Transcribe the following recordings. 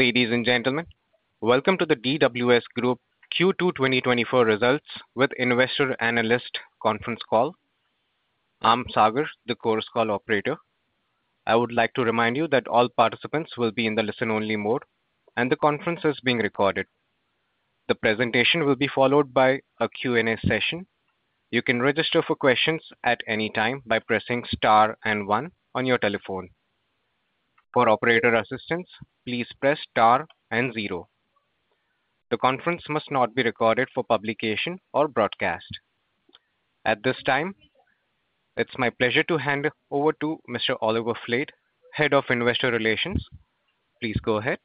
Ladies and gentlemen, welcome to the DWS Group Q2 2024 results with investor analyst conference call. I'm Sagar, the Chorus Call operator. I would like to remind you that all participants will be in the listen-only mode, and the conference is being recorded. The presentation will be followed by a Q&A session. You can register for questions at any time by pressing star and one on your telephone. For operator assistance, please press star and zero. The conference must not be recorded for publication or broadcast. At this time, it's my pleasure to hand over to Mr. Oliver Flade, Head of Investor Relations. Please go ahead.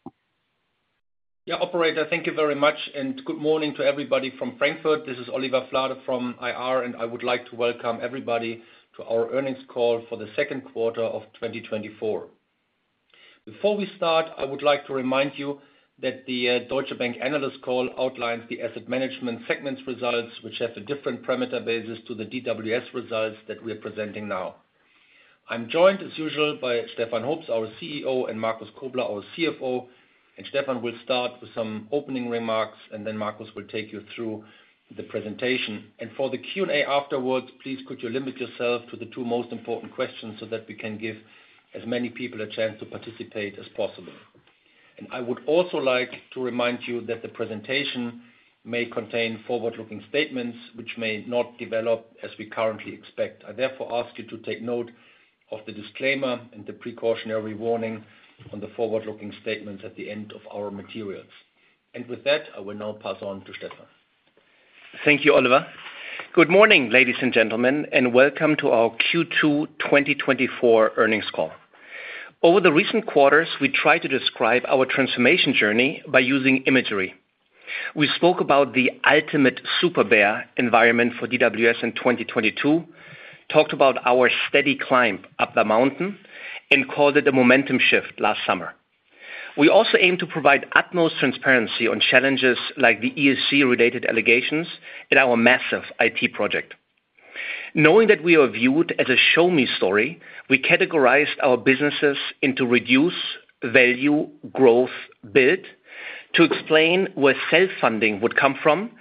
Yeah, operator, thank you very much, and good morning to everybody from Frankfurt. This is Oliver Flade from IR, and I would like to welcome everybody to our earnings call for the Q2 of 2024. Before we start, I would like to remind you that the Deutsche Bank analyst call outlines the asset management segments results, which have a different parameter basis to the DWS results that we are presenting now. I'm joined, as usual, by Stefan Hoops, our CEO, and Markus Kobler, our CFO. Stefan will start with some opening remarks, and then Markus will take you through the presentation. For the Q&A afterwards, please could you limit yourself to the two most important questions so that we can give as many people a chance to participate as possible. I would also like to remind you that the presentation may contain forward-looking statements, which may not develop as we currently expect. I therefore ask you to take note of the disclaimer and the precautionary warning on the forward-looking statements at the end of our materials. With that, I will now pass on to Stefan. Thank you, Oliver. Good morning, ladies and gentlemen, and welcome to our Q2 2024 earnings call. Over the recent quarters, we tried to describe our transformation journey by using imagery. We spoke about the ultimate superbear environment for DWS in 2022, talked about our steady climb up the mountain, and called it a momentum shift last summer. We also aimed to provide utmost transparency on challenges like the ESG-related allegations in our massive IT project. Knowing that we are viewed as a show-me story, we categorized our businesses into reduce, value, growth, build, to explain where self-funding would come from,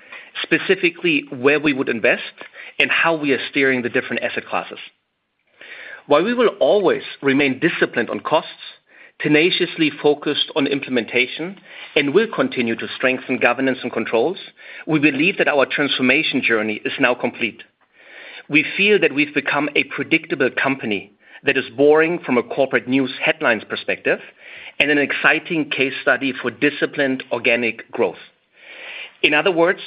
specifically where we would invest, and how we are steering the different asset classes. While we will always remain disciplined on costs, tenaciously focused on implementation, and will continue to strengthen governance and controls, we believe that our transformation journey is now complete. We feel that we've become a predictable company that is boring from a corporate news headlines perspective and an exciting case study for disciplined organic growth. In other words,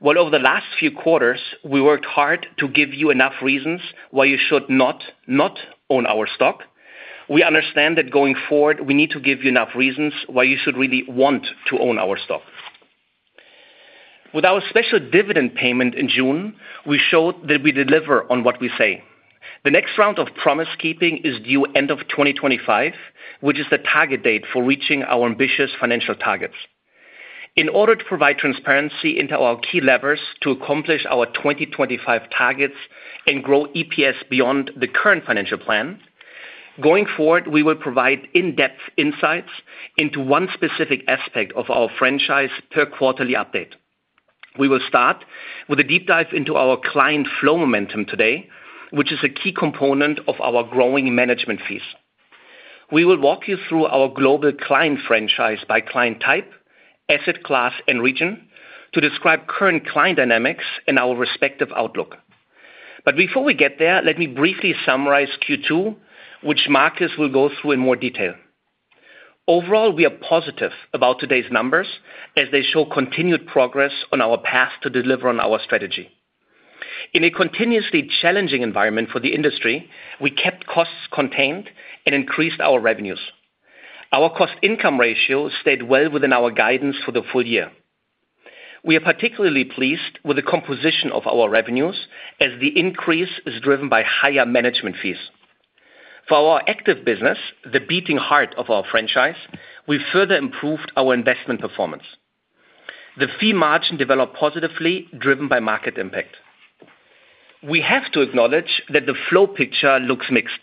while over the last few quarters, we worked hard to give you enough reasons why you should not, not own our stock, we understand that going forward, we need to give you enough reasons why you should really want to own our stock. With our special dividend payment in June, we showed that we deliver on what we say. The next round of promise keeping is due end of 2025, which is the target date for reaching our ambitious financial targets. In order to provide transparency into our key levers to accomplish our 2025 targets and grow EPS beyond the current financial plan, going forward, we will provide in-depth insights into one specific aspect of our franchise per quarterly update. We will start with a deep dive into our client flow momentum today, which is a key component of our growing management fees. We will walk you through our global client franchise by client type, asset class, and region to describe current client dynamics and our respective outlook. But before we get there, let me briefly summarize Q2, which Markus will go through in more detail. Overall, we are positive about today's numbers as they show continued progress on our path to deliver on our strategy. In a continuously challenging environment for the industry, we kept costs contained and increased our revenues. Our cost-income ratio stayed well within our guidance for the full year. We are particularly pleased with the composition of our revenues as the increase is driven by higher management fees. For our active business, the beating heart of our franchise, we further improved our investment performance. The fee margin developed positively, driven by market impact. We have to acknowledge that the flow picture looks mixed.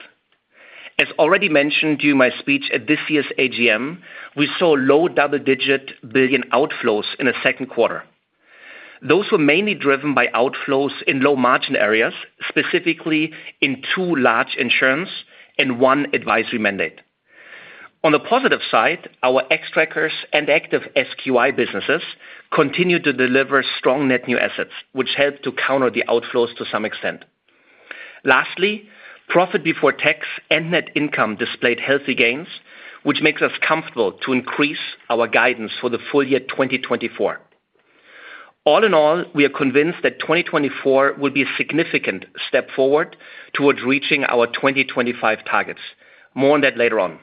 As already mentioned during my speech at this year's AGM, we saw low double-digit billion outflows in the Q2. Those were mainly driven by outflows in low-margin areas, specifically in two large insurance and one advisory mandate. On the positive side, our Xtrackers and active SQI businesses continued to deliver strong net new assets, which helped to counter the outflows to some extent. Lastly, profit before tax and net income displayed healthy gains, which makes us comfortable to increase our guidance for the full year 2024. All in all, we are convinced that 2024 will be a significant step forward towards reaching our 2025 targets. More on that later on.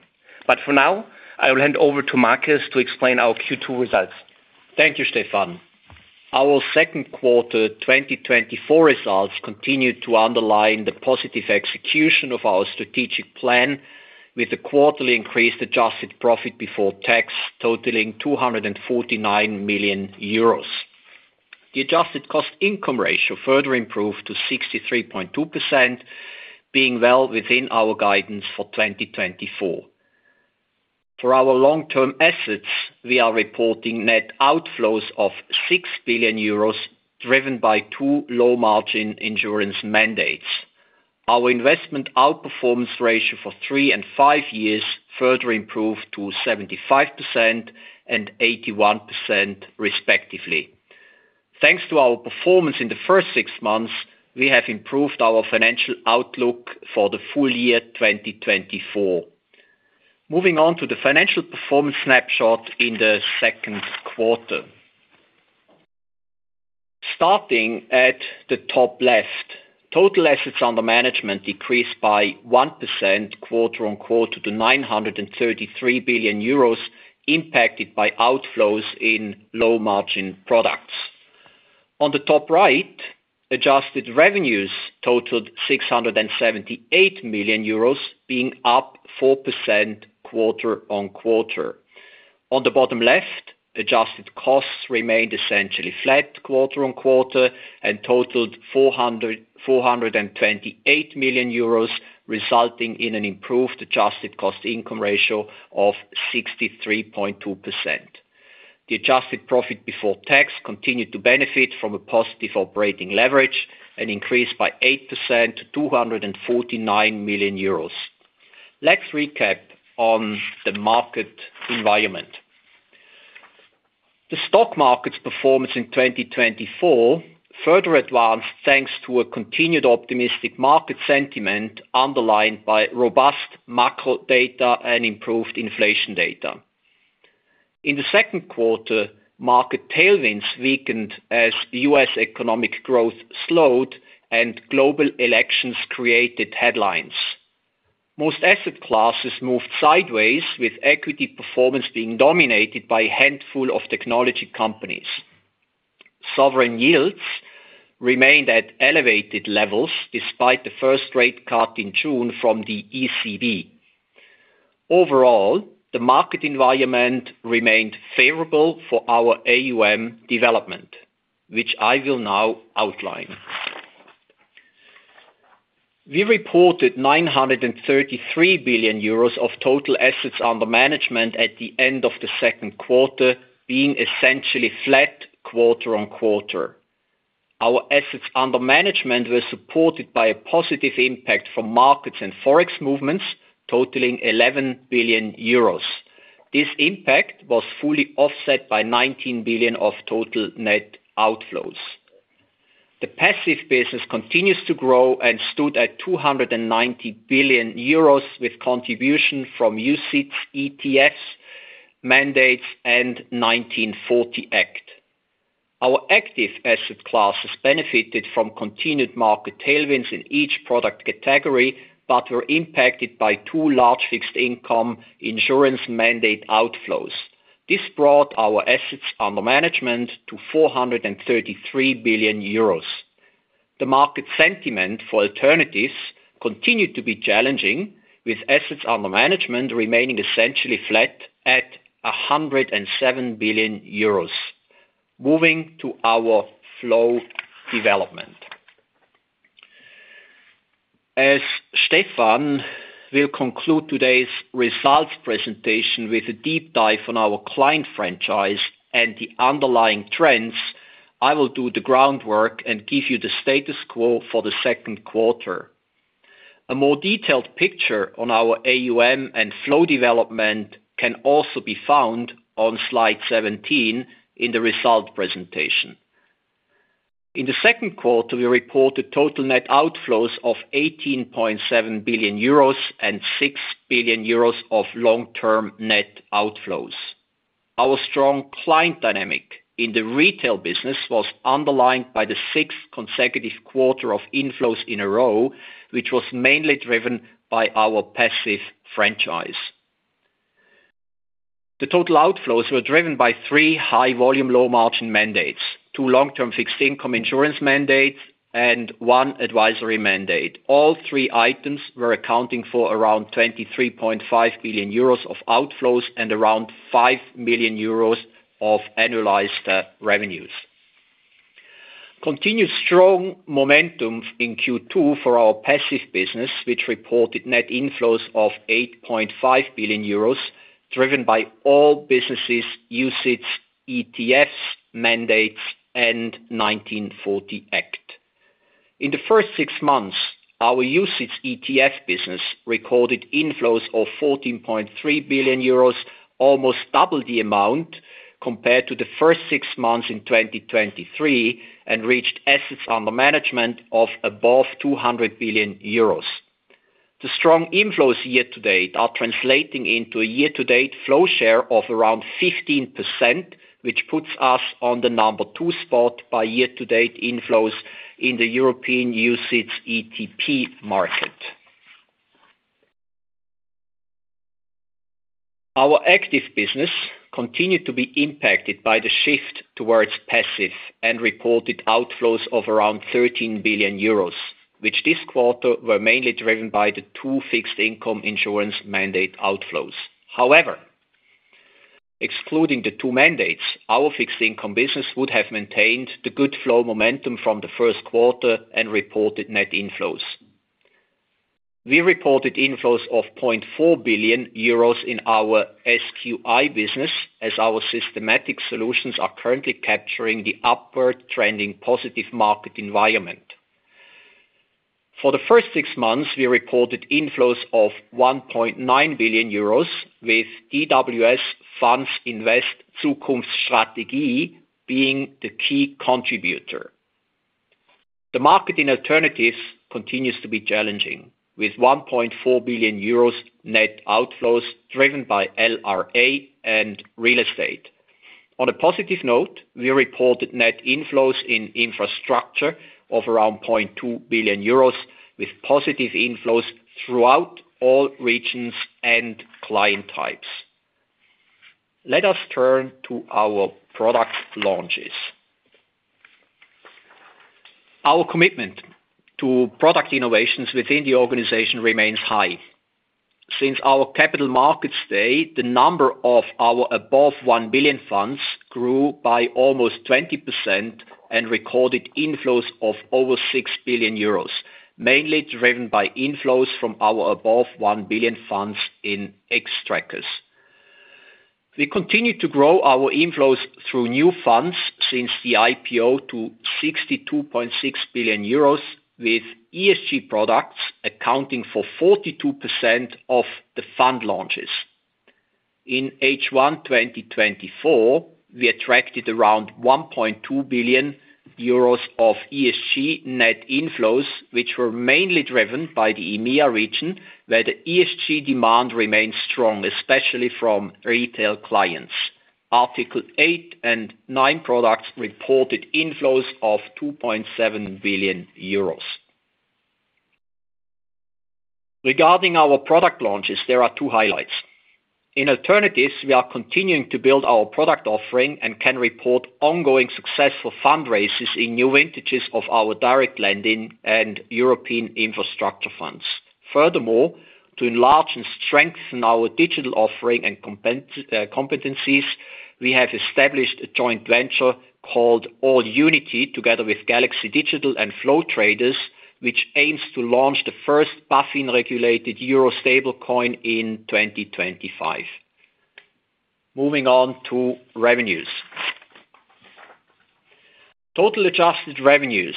But for now, I will hand over to Markus to explain our Q2 results. Thank you, Stefan. Our Q2 2024 results continue to underline the positive execution of our strategic plan with a quarterly increased adjusted profit before tax totaling 249 million euros. The adjusted cost-income ratio further improved to 63.2%, being well within our guidance for 2024. For our long-term assets, we are reporting net outflows of 6 billion euros, driven by 2 low-margin insurance mandates. Our investment outperformance ratio for 3 and 5 years further improved to 75% and 81%, respectively. Thanks to our performance in the first 6 months, we have improved our financial outlook for the full year 2024. Moving on to the financial performance snapshot in the Q2. Starting at the top left, total assets under management decreased by 1% quarter-on-quarter to 933 million euros, impacted by outflows in low-margin products. On the top right, adjusted revenues totaled 678 million euros, being up 4% quarter-on-quarter. On the bottom left, adjusted costs remained essentially flat quarter-on-quarter and totaled 428 million euros, resulting in an improved adjusted cost-income ratio of 63.2%. The adjusted profit before tax continued to benefit from a positive operating leverage and increased by 8% to 249 million euros. Let's recap on the market environment. The stock market's performance in 2024 further advanced thanks to a continued optimistic market sentiment underlined by robust macro data and improved inflation data. In the Q2, market tailwinds weakened as U.S. economic growth slowed and global elections created headlines. Most asset classes moved sideways, with equity performance being dominated by a handful of technology companies. Sovereign yields remained at elevated levels despite the first rate cut in June from the ECB. Overall, the market environment remained favorable for our AUM development, which I will now outline. We reported 933 billion euros of total assets under management at the end of the Q2, being essentially flat quarter-on-quarter. Our assets under management were supported by a positive impact from markets and forex movements, totaling 11 billion euros. This impact was fully offset by 19 billion of total net outflows. The passive business continues to grow and stood at 290 billion euros, with contribution from UCITS ETFs, mandates, and the 1940 Act. Our active asset classes benefited from continued market tailwinds in each product category but were impacted by two large fixed-income insurance mandate outflows. This brought our assets under management to 433 billion euros. The market sentiment for alternatives continued to be challenging, with assets under management remaining essentially flat at 107 billion euros. Moving to our flow development. As Stefan will conclude today's results presentation with a deep dive on our client franchise and the underlying trends, I will do the groundwork and give you the status quo for the Q2. A more detailed picture on our AUM and flow development can also be found on slide 17 in the results presentation. In the Q2, we reported total net outflows of 18.7 billion euros and 6 billion euros of long-term net outflows. Our strong client dynamic in the retail business was underlined by the sixth consecutive quarter of inflows in a row, which was mainly driven by our passive franchise. The total outflows were driven by three high-volume low-margin mandates, two long-term fixed-income insurance mandates, and one advisory mandate. All three items were accounting for around 23.5 billion euros of outflows and around 5 million euros of annualized revenues. Continued strong momentum in Q2 for our passive business, which reported net inflows of 8.5 billion euros, driven by all businesses' UCITS ETFs, mandates, and the 1940 Act. In the first six months, our UCITS ETF business recorded inflows of 14.3 billion euros, almost double the amount compared to the first six months in 2023, and reached assets under management of above 200 billion euros. The strong inflows year-to-date are translating into a year-to-date flow share of around 15%, which puts us on the number two spot by year-to-date inflows in the European UCITS ETP market. Our active business continued to be impacted by the shift towards passive and reported outflows of around 13 billion euros, which this quarter were mainly driven by the two fixed-income insurance mandate outflows. However, excluding the two mandates, our fixed-income business would have maintained the good flow momentum from the Q1 and reported net inflows. We reported inflows of 0.4 billion euros in our SQI business, as our systematic solutions are currently capturing the upward trending positive market environment. For the first six months, we reported inflows of 1.9 billion euros, with DWS Invest Zukunftsstrategie being the key contributor. The market in alternatives continues to be challenging, with 1.4 billion euros net outflows driven by LRA and real estate. On a positive note, we reported net inflows in infrastructure of around 0.2 billion euros, with positive inflows throughout all regions and client types. Let us turn to our product launches. Our commitment to product innovations within the organization remains high. Since our capital markets day, the number of our above 1 billion funds grew by almost 20% and recorded inflows of over 6 billion euros, mainly driven by inflows from our above 1 billion funds in Xtrackers. We continue to grow our inflows through new funds since the IPO to 62.6 billion euros, with ESG products accounting for 42% of the fund launches. In H1 2024, we attracted around 1.2 billion euros of ESG net inflows, which were mainly driven by the EMEA region, where the ESG demand remains strong, especially from retail clients. Article 8 and 9 products reported inflows of EUR 2.7 billion. Regarding our product launches, there are two highlights. In alternatives, we are continuing to build our product offering and can report ongoing successful fundraisers in new vintages of our direct lending and European infrastructure funds. Furthermore, to enlarge and strengthen our digital offering and competencies, we have established a joint venture called AllUnity, together with Galaxy Digital and Flow Traders, which aims to launch the first BaFin-regulated Euro stablecoin in 2025. Moving on to revenues. Total adjusted revenues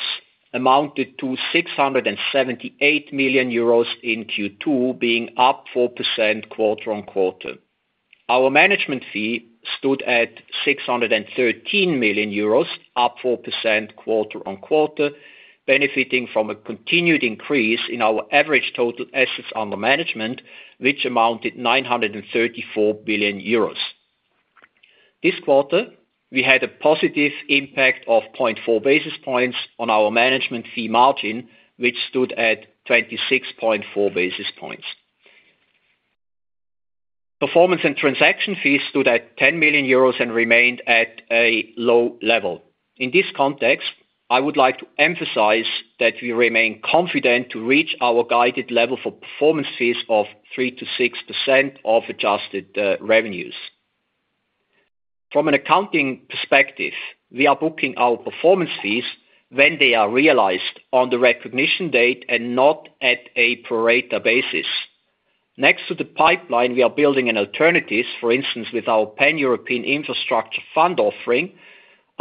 amounted to 678 million euros in Q2, being up 4% quarter-over-quarter. Our management fee stood at 613 million euros, up 4% quarter-over-quarter, benefiting from a continued increase in our average total assets under management, which amounted to 934 billion euros. This quarter, we had a positive impact of 0.4 basis points on our management fee margin, which stood at 26.4 basis points. Performance and transaction fees stood at 10 million euros and remained at a low level. In this context, I would like to emphasize that we remain confident to reach our guided level for performance fees of 3%-6% of adjusted revenues. From an accounting perspective, we are booking our performance fees when they are realized on the recognition date and not at a pro rata basis. Next to the pipeline, we are building an alternative, for instance, with our Pan-European Infrastructure Fund offering.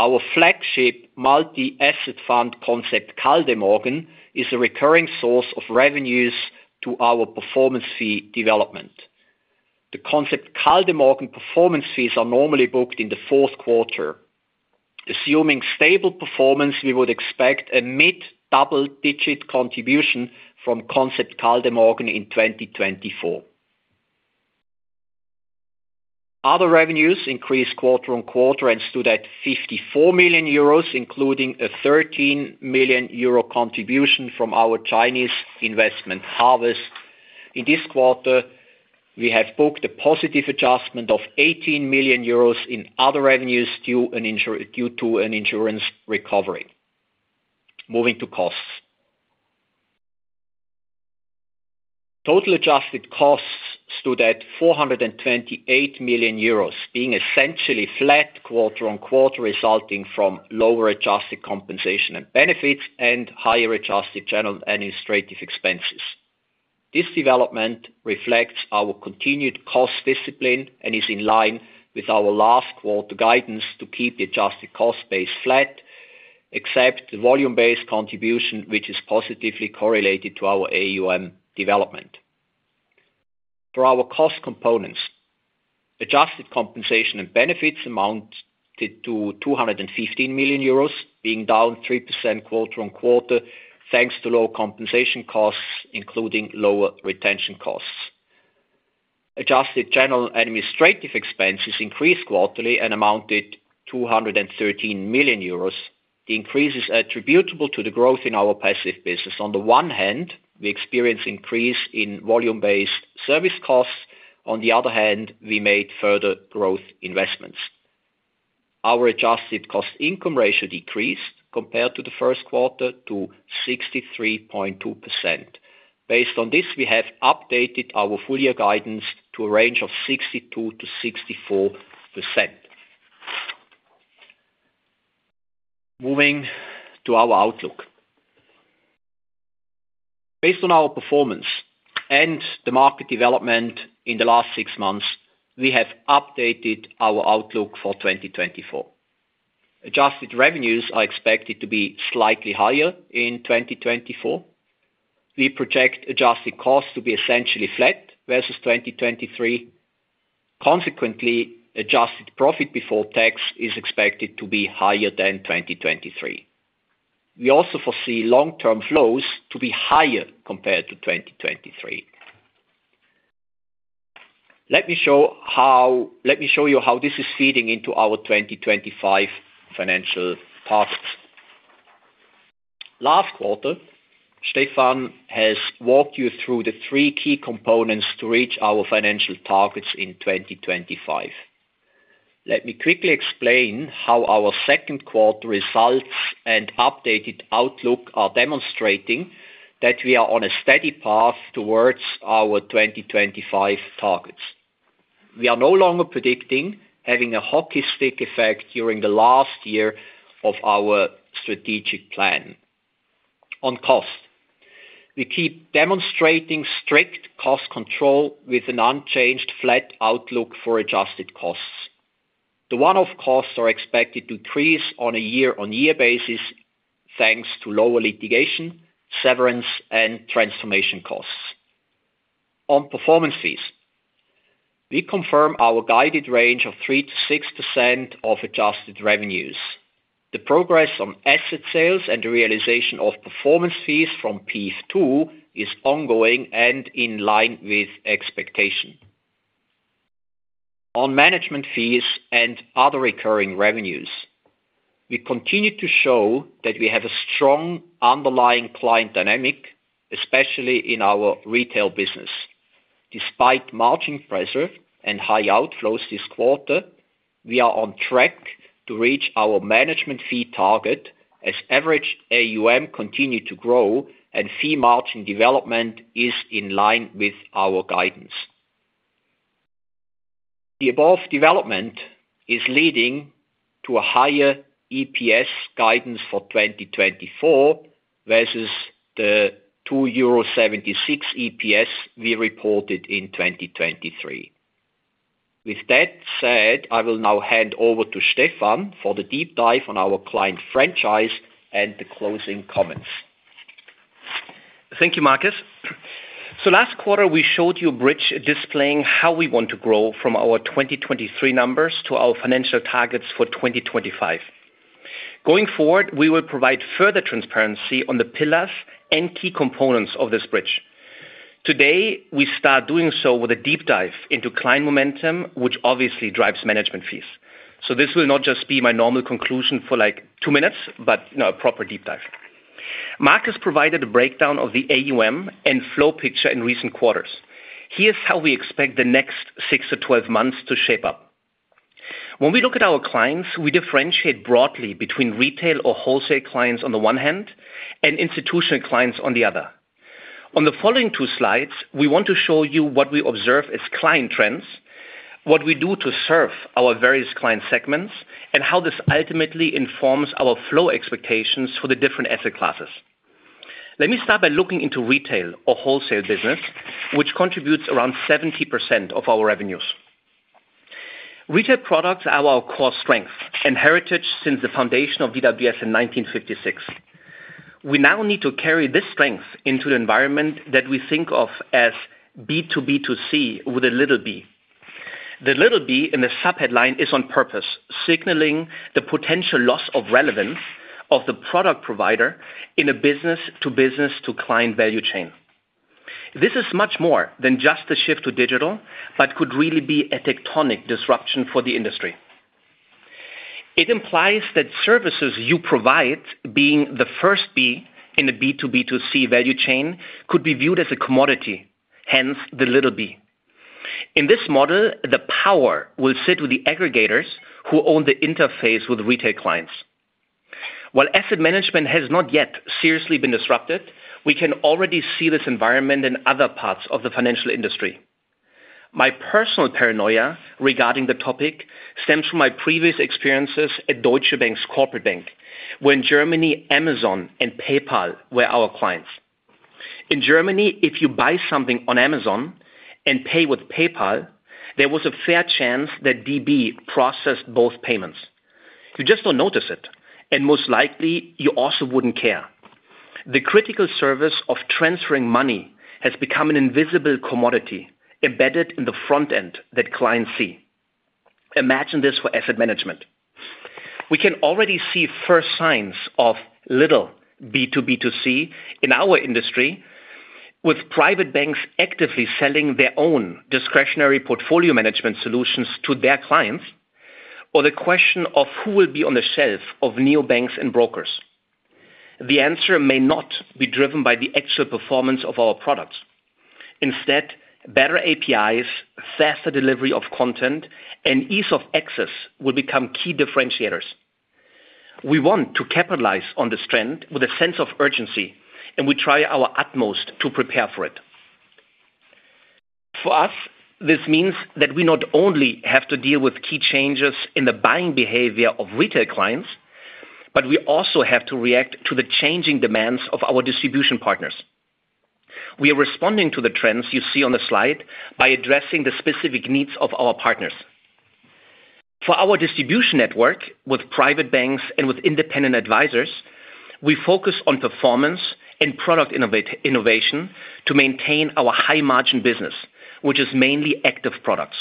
Our flagship multi-asset fund, Concept Kaldemorgen, is a recurring source of revenues to our performance fee development. The Concept Kaldemorgen performance fees are normally booked in the Q4. Assuming stable performance, we would expect a mid-double-digit contribution from Concept Kaldemorgen in 2024. Other revenues increased quarter-on-quarter and stood at 54 million euros, including a 13 million euro contribution from our Chinese investment Harvest. In this quarter, we have booked a positive adjustment of 18 million euros in other revenues due to an insurance recovery. Moving to costs. Total adjusted costs stood at 428 million euros, being essentially flat quarter-on-quarter, resulting from lower adjusted compensation and benefits and higher adjusted general administrative expenses. This development reflects our continued cost discipline and is in line with our last quarter guidance to keep the adjusted cost base flat, except the volume-based contribution, which is positively correlated to our AUM development. For our cost components, adjusted compensation and benefits amounted to 215 million euros, being down 3% quarter-on-quarter, thanks to low compensation costs, including lower retention costs. Adjusted general administrative expenses increased quarterly and amounted to 213 million euros. The increase is attributable to the growth in our passive business. On the one hand, we experienced an increase in volume-based service costs. On the other hand, we made further growth investments. Our adjusted cost-income ratio decreased compared to the Q1 to 63.2%. Based on this, we have updated our full-year guidance to a range of 62%-64%. Moving to our outlook. Based on our performance and the market development in the last six months, we have updated our outlook for 2024. Adjusted revenues are expected to be slightly higher in 2024. We project adjusted costs to be essentially flat versus 2023. Consequently, adjusted profit before tax is expected to be higher than 2023. We also foresee long-term flows to be higher compared to 2023. Let me show you how this is feeding into our 2025 financial tasks. Last quarter, Stefan has walked you through the three key components to reach our financial targets in 2025. Let me quickly explain how our Q2 results and updated outlook are demonstrating that we are on a steady path towards our 2025 targets. We are no longer predicting having a hockey stick effect during the last year of our strategic plan. On cost, we keep demonstrating strict cost control with an unchanged flat outlook for adjusted costs. The one-off costs are expected to increase on a year-on-year basis, thanks to lower litigation, severance, and transformation costs. On performance fees, we confirm our guided range of 3%-6% of adjusted revenues. The progress on asset sales and the realization of performance fees from PEIF II is ongoing and in line with expectation. On management fees and other recurring revenues, we continue to show that we have a strong underlying client dynamic, especially in our retail business. Despite margin pressure and high outflows this quarter, we are on track to reach our management fee target as average AUM continues to grow and fee margin development is in line with our guidance. The above development is leading to a higher EPS guidance for 2024 versus the 2.76 EPS we reported in 2023. With that said, I will now hand over to Stefan for the deep dive on our client franchise and the closing comments. Thank you, Markus. So, last quarter, we showed you a bridge displaying how we want to grow from our 2023 numbers to our financial targets for 2025. Going forward, we will provide further transparency on the pillars and key components of this bridge. Today, we start doing so with a deep dive into client momentum, which obviously drives management fees. So, this will not just be my normal conclusion for like two minutes, but a proper deep dive. Markus provided a breakdown of the AUM and flow picture in recent quarters. Here's how we expect the next 6-12 months to shape up. When we look at our clients, we differentiate broadly between retail or wholesale clients on the one hand and institutional clients on the other. On the following two slides, we want to show you what we observe as client trends, what we do to serve our various client segments, and how this ultimately informs our flow expectations for the different asset classes. Let me start by looking into retail or wholesale business, which contributes around 70% of our revenues. Retail products are our core strength and heritage since the foundation of DWS in 1956. We now need to carry this strength into the environment that we think of as B2B2C with a little b. The little b in the subheadline is on purpose, signaling the potential loss of relevance of the product provider in a business-to-business-to-client value chain. This is much more than just a shift to digital, but could really be a tectonic disruption for the industry. It implies that services you provide, being the first b in a B2B2C value chain, could be viewed as a commodity, hence the little b. In this model, the power will sit with the aggregators who own the interface with retail clients. While asset management has not yet seriously been disrupted, we can already see this environment in other parts of the financial industry. My personal paranoia regarding the topic stems from my previous experiences at Deutsche Bank's corporate bank, where in Germany, Amazon and PayPal were our clients. In Germany, if you buy something on Amazon and pay with PayPal, there was a fair chance that DB processed both payments. You just don't notice it, and most likely, you also wouldn't care. The critical service of transferring money has become an invisible commodity embedded in the front end that clients see. Imagine this for asset management. We can already see first signs of little B2B2C in our industry, with private banks actively selling their own discretionary portfolio management solutions to their clients, or the question of who will be on the shelf of neobanks and brokers. The answer may not be driven by the actual performance of our products. Instead, better APIs, faster delivery of content, and ease of access will become key differentiators. We want to capitalize on this trend with a sense of urgency, and we try our utmost to prepare for it. For us, this means that we not only have to deal with key changes in the buying behavior of retail clients, but we also have to react to the changing demands of our distribution partners. We are responding to the trends you see on the slide by addressing the specific needs of our partners. For our distribution network, with private banks and with independent advisors, we focus on performance and product innovation to maintain our high-margin business, which is mainly active products.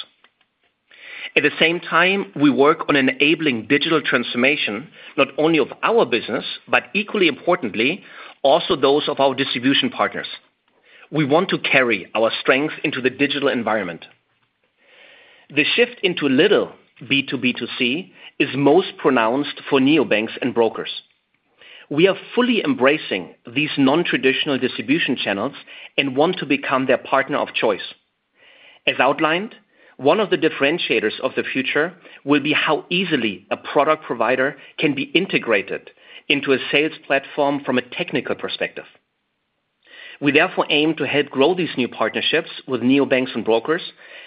At the same time, we work on enabling digital transformation not only of our business, but equally importantly, also those of our distribution partners. We want to carry our strength into the digital environment. The shift into little B2B2C is most pronounced for neobanks and brokers. We are fully embracing these non-traditional distribution channels and want to become their partner of choice. As outlined, one of the differentiators of the future will be how easily a product provider can be integrated into a sales platform from a technical perspective. We therefore aim to help grow these new partnerships with neobanks and brokers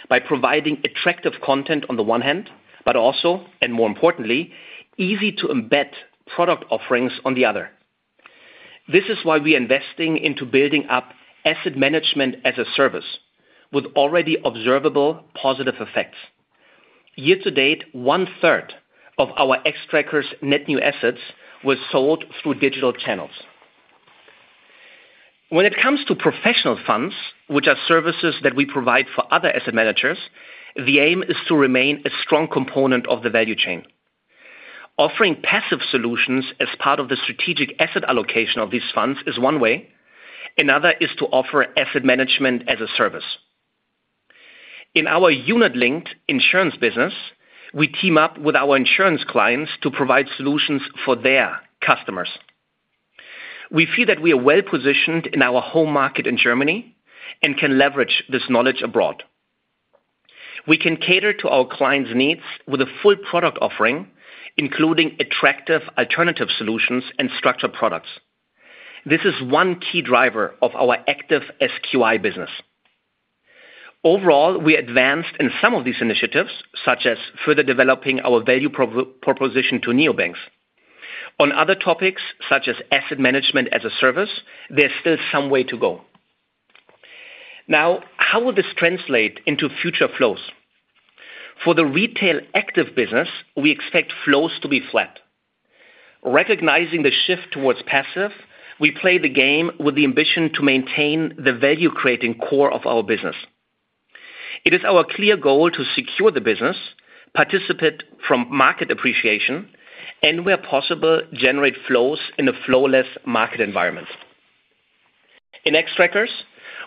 by providing attractive content on the one hand, but also, and more importantly, easy-to-embed product offerings on the other. This is why we are investing into building up asset management as a service with already observable positive effects. Year-to-date, one-third of our Xtrackers net new assets was sold through digital channels. When it comes to professional funds, which are services that we provide for other asset managers, the aim is to remain a strong component of the value chain. Offering passive solutions as part of the strategic asset allocation of these funds is one way. Another is to offer asset management as a service. In our unit-linked insurance business, we team up with our insurance clients to provide solutions for their customers. We feel that we are well-positioned in our home market in Germany and can leverage this knowledge abroad. We can cater to our clients' needs with a full product offering, including attractive alternative solutions and structured products. This is one key driver of our active SQI business. Overall, we are advanced in some of these initiatives, such as further developing our value proposition to neobanks. On other topics, such as Asset Management as a Service, there's still some way to go. Now, how will this translate into future flows? For the retail active business, we expect flows to be flat. Recognizing the shift towards passive, we play the game with the ambition to maintain the value-creating core of our business. It is our clear goal to secure the business, participate from market appreciation, and, where possible, generate flows in a flowless market environment. In Xtrackers,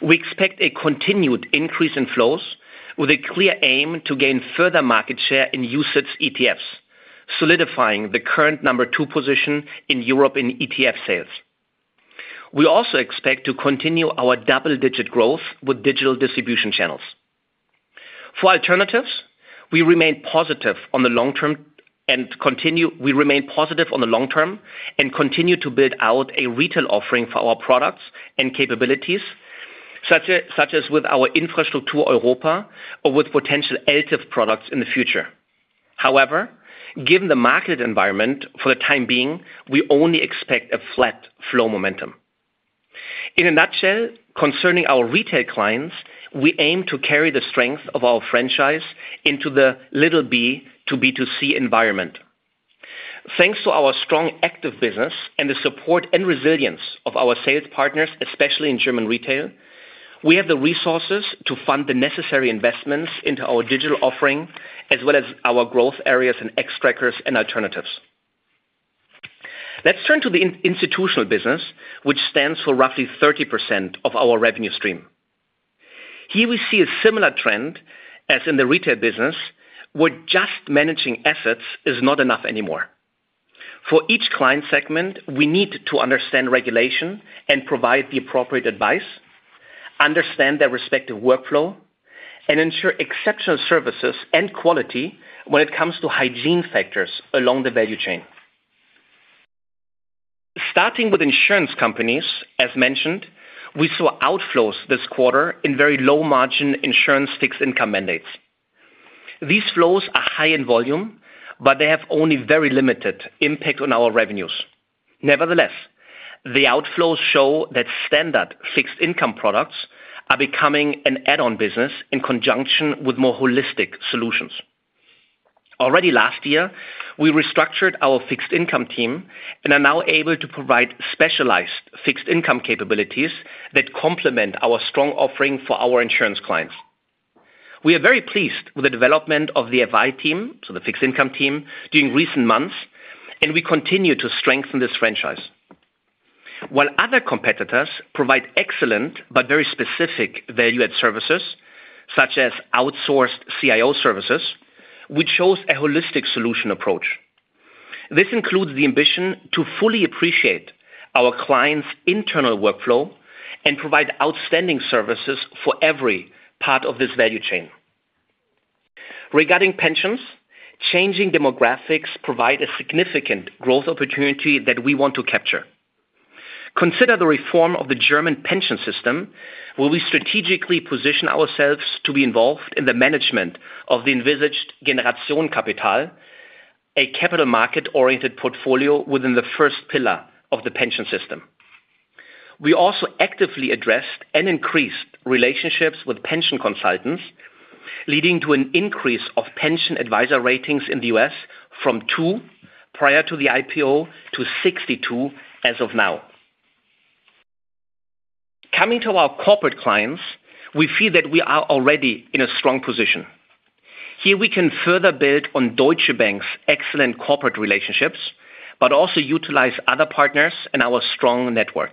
we expect a continued increase in flows with a clear aim to gain further market share in UCITS ETFs, solidifying the current number two position in Europe in ETF sales. We also expect to continue our double-digit growth with digital distribution channels. For alternatives, we remain positive on the long-term and continue to build out a retail offering for our products and capabilities, such as with our Infrastruktur Europa or with potential ELTIF products in the future. However, given the market environment for the time being, we only expect a flat flow momentum. In a nutshell, concerning our retail clients, we aim to carry the strength of our franchise into the B2B2C environment. Thanks to our strong active business and the support and resilience of our sales partners, especially in German retail, we have the resources to fund the necessary investments into our digital offering, as well as our growth areas in Xtrackers and alternatives. Let's turn to the institutional business, which stands for roughly 30% of our revenue stream. Here, we see a similar trend as in the retail business, where just managing assets is not enough anymore. For each client segment, we need to understand regulation and provide the appropriate advice, understand their respective workflow, and ensure exceptional services and quality when it comes to hygiene factors along the value chain. Starting with insurance companies, as mentioned, we saw outflows this quarter in very low-margin insurance fixed-income mandates. These flows are high in volume, but they have only very limited impact on our revenues. Nevertheless, the outflows show that standard fixed-income products are becoming an add-on business in conjunction with more holistic solutions. Already last year, we restructured our fixed-income team and are now able to provide specialized fixed-income capabilities that complement our strong offering for our insurance clients. We are very pleased with the development of the FI team, so the fixed-income team, during recent months, and we continue to strengthen this franchise. While other competitors provide excellent but very specific value-add services, such as outsourced CIO services, we chose a holistic solution approach. This includes the ambition to fully appreciate our clients' internal workflow and provide outstanding services for every part of this value chain. Regarding pensions, changing demographics provides a significant growth opportunity that we want to capture. Consider the reform of the German pension system, where we strategically position ourselves to be involved in the management of the envisaged Generation Capital, a capital-market-oriented portfolio within the first pillar of the pension system. We also actively addressed and increased relationships with pension consultants, leading to an increase of pension advisor ratings in the U.S. from 2 prior to the IPO to 62 as of now. Coming to our corporate clients, we feel that we are already in a strong position. Here, we can further build on Deutsche Bank's excellent corporate relationships, but also utilize other partners and our strong network.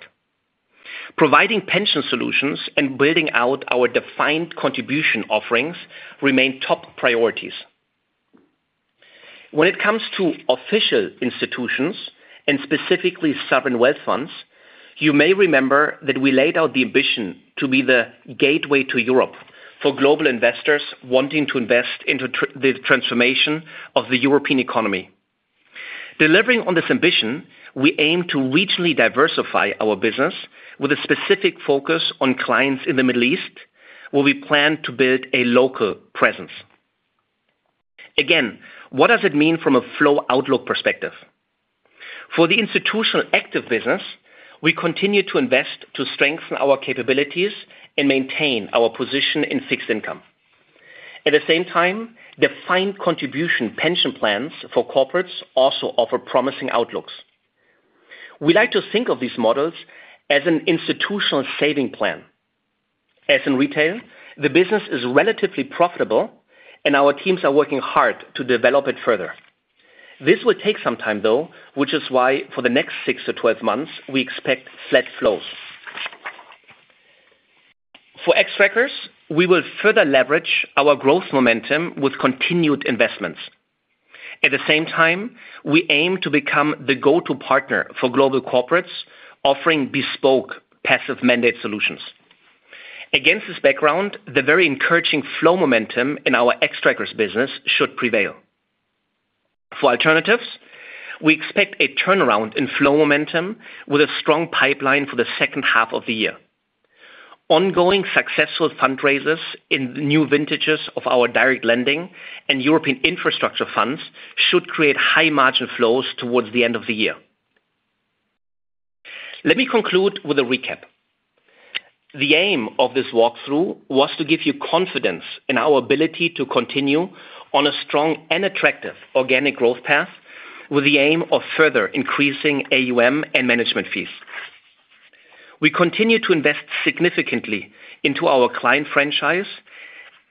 Providing pension solutions and building out our defined contribution offerings remain top priorities. When it comes to official institutions and specifically sovereign wealth funds, you may remember that we laid out the ambition to be the gateway to Europe for global investors wanting to invest into the transformation of the European economy. Delivering on this ambition, we aim to regionally diversify our business with a specific focus on clients in the Middle East, where we plan to build a local presence. Again, what does it mean from a flow outlook perspective? For the institutional active business, we continue to invest to strengthen our capabilities and maintain our position in fixed income. At the same time, defined contribution pension plans for corporates also offer promising outlooks. We like to think of these models as an institutional saving plan. As in retail, the business is relatively profitable, and our teams are working hard to develop it further. This will take some time, though, which is why for the next 6-12 months, we expect flat flows. For Xtrackers, we will further leverage our growth momentum with continued investments. At the same time, we aim to become the go-to partner for global corporates, offering bespoke passive mandate solutions. Against this background, the very encouraging flow momentum in our Xtrackers business should prevail. For alternatives, we expect a turnaround in flow momentum with a strong pipeline for the H2 of the year. Ongoing successful fundraisers in new vintages of our direct lending and European infrastructure funds should create high-margin flows towards the end of the year. Let me conclude with a recap. The aim of this walkthrough was to give you confidence in our ability to continue on a strong and attractive organic growth path with the aim of further increasing AUM and management fees. We continue to invest significantly into our client franchise,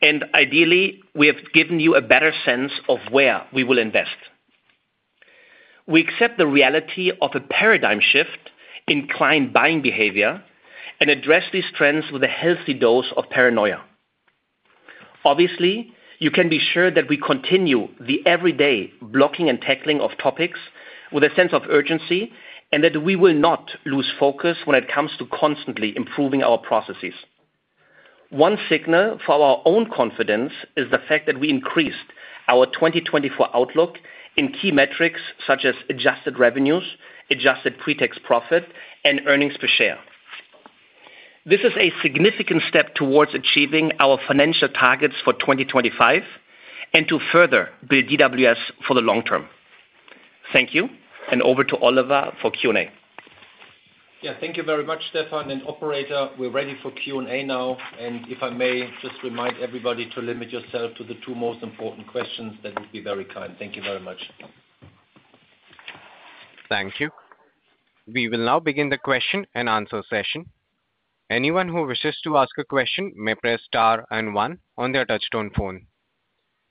and ideally, we have given you a better sense of where we will invest. We accept the reality of a paradigm shift in client buying behavior and address these trends with a healthy dose of paranoia. Obviously, you can be sure that we continue the everyday blocking and tackling of topics with a sense of urgency and that we will not lose focus when it comes to constantly improving our processes. One signal for our own confidence is the fact that we increased our 2024 outlook in key metrics such as adjusted revenues, adjusted pre-tax profit, and earnings per share. This is a significant step towards achieving our financial targets for 2025 and to further build DWS for the long term. Thank you, and over to Oliver for Q&A. Yeah, thank you very much, Stefan and operator. We're ready for Q&A now. If I may, just remind everybody to limit yourself to the two most important questions, that would be very kind. Thank you very much. Thank you. We will now begin the question and answer session. Anyone who wishes to ask a question may press star and one on their touch-tone phone.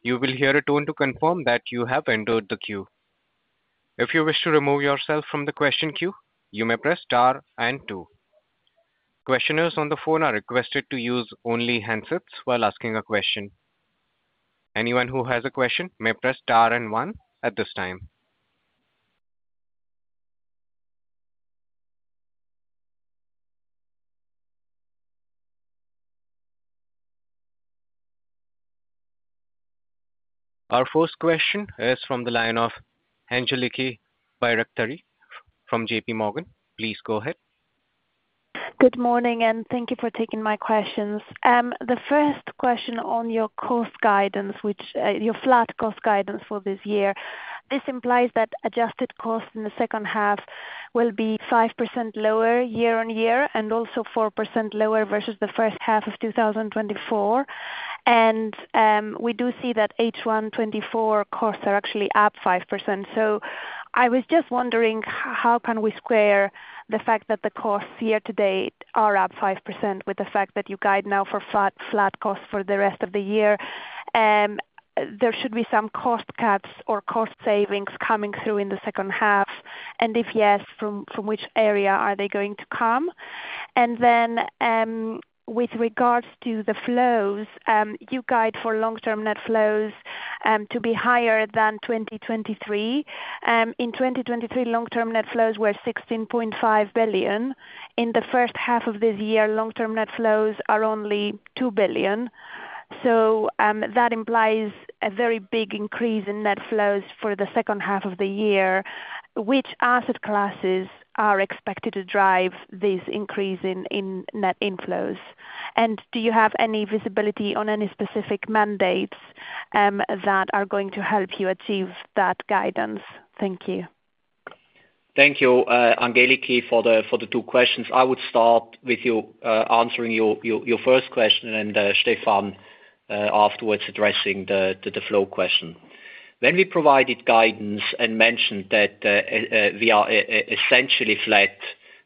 You will hear a tone to confirm that you have entered the queue. If you wish to remove yourself from the question queue, you may press star and two. Questioners on the phone are requested to use only handsets while asking a question. Anyone who has a question may press star and one at this time. Our first question is from the line of Angeliki Bairaktari from JP Morgan. Please go ahead. Good morning, and thank you for taking my questions. The first question on your cost guidance, which your flat cost guidance for this year, this implies that adjusted costs in the H2 will be 5% lower year-on-year and also 4% lower versus the H1 of 2024. And we do see that H1 2024 costs are actually up 5%. So I was just wondering, how can we square the fact that the costs year to date are up 5% with the fact that you guide now for flat costs for the rest of the year? There should be some cost cuts or cost savings coming through in the H2. And if yes, from which area are they going to come? And then with regards to the flows, you guide for long-term net flows to be higher than 2023. In 2023, long-term net flows were 16.5 billion. In the H1 of this year, long-term net flows are only 2 billion. So that implies a very big increase in net flows for the H2 of the year. Which asset classes are expected to drive this increase in net inflows? And do you have any visibility on any specific mandates that are going to help you achieve that guidance? Thank you. Thank you, Angeliki, for the two questions. I would start with you answering your first question and then Stefan afterwards addressing the flow question. When we provided guidance and mentioned that we are essentially flat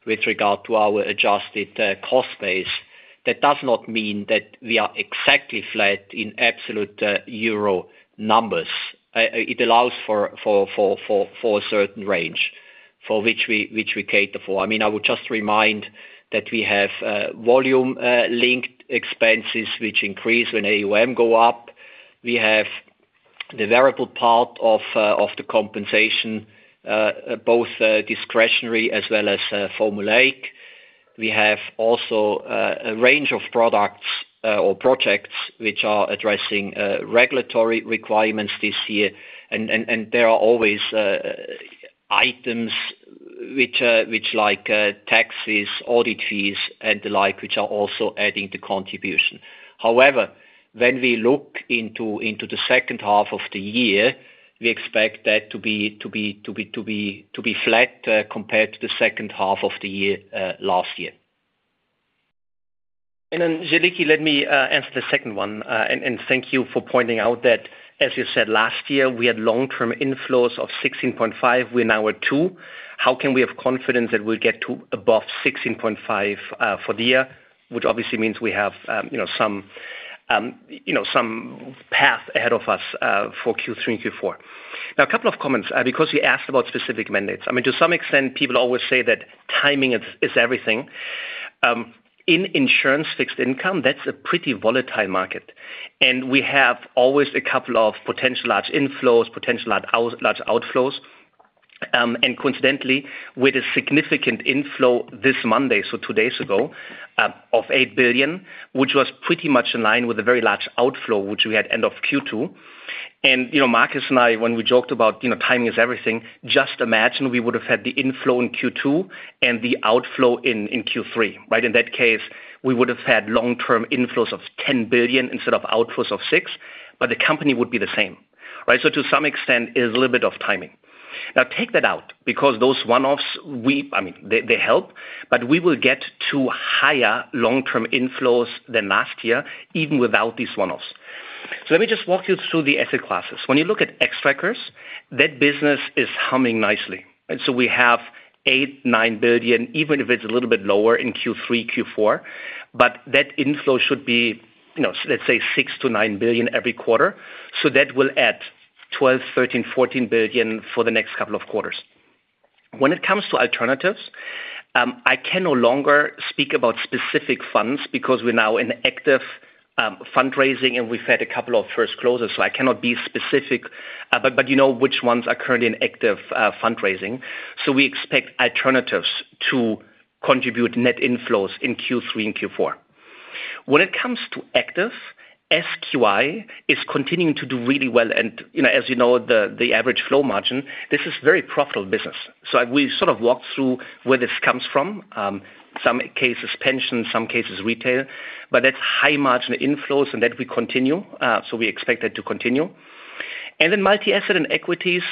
with regard to our adjusted cost base, that does not mean that we are exactly flat in absolute euro numbers. It allows for a certain range for which we cater for. I mean, I would just remind that we have volume-linked expenses which increase when AUM go up. We have the variable part of the compensation, both discretionary as well as formulaic. We have also a range of products or projects which are addressing regulatory requirements this year. There are always items like taxes, audit fees, and the like, which are also adding to contribution. However, when we look into the H2 of the year, we expect that to be flat compared to the H2 of the year last year. Angeliki, let me answer the second one. Thank you for pointing out that, as you said, last year, we had long-term inflows of 16.5. We're now at 2. How can we have confidence that we'll get to above 16.5 for the year, which obviously means we have some path ahead of us for Q3 and Q4? Now, a couple of comments because you asked about specific mandates. I mean, to some extent, people always say that timing is everything. In insurance fixed income, that's a pretty volatile market. And we have always a couple of potential large inflows, potential large outflows. And coincidentally, with a significant inflow this Monday, so two days ago, of 8 billion, which was pretty much in line with a very large outflow, which we had end of Q2. And Markus and I, when we joked about timing is everything, just imagine we would have had the inflow in Q2 and the outflow in Q3. Right? In that case, we would have had long-term inflows of 10 billion instead of outflows of 6 billion, but the company would be the same. Right? So to some extent, it is a little bit of timing. Now, take that out because those one-offs, I mean, they help, but we will get to higher long-term inflows than last year, even without these one-offs. So let me just walk you through the asset classes. When you look at Xtrackers, that business is humming nicely. And so we have 8 billion, 9 billion, even if it's a little bit lower in Q3, Q4. But that inflow should be, let's say, 6 billion-9 billion every quarter. So that will add 12 billion, 13 billion, 14 billion for the next couple of quarters. When it comes to alternatives, I can no longer speak about specific funds because we're now in active fundraising and we've had a couple of first closes. So I cannot be specific, but you know which ones are currently in active fundraising. So we expect alternatives to contribute net inflows in Q3 and Q4. When it comes to active, SQI is continuing to do really well. And as you know, the average flow margin, this is a very profitable business. So we sort of walked through where this comes from. Some cases pension, some cases retail, but that's high-margin inflows and that we continue. So we expect that to continue. And then multi-asset and equities,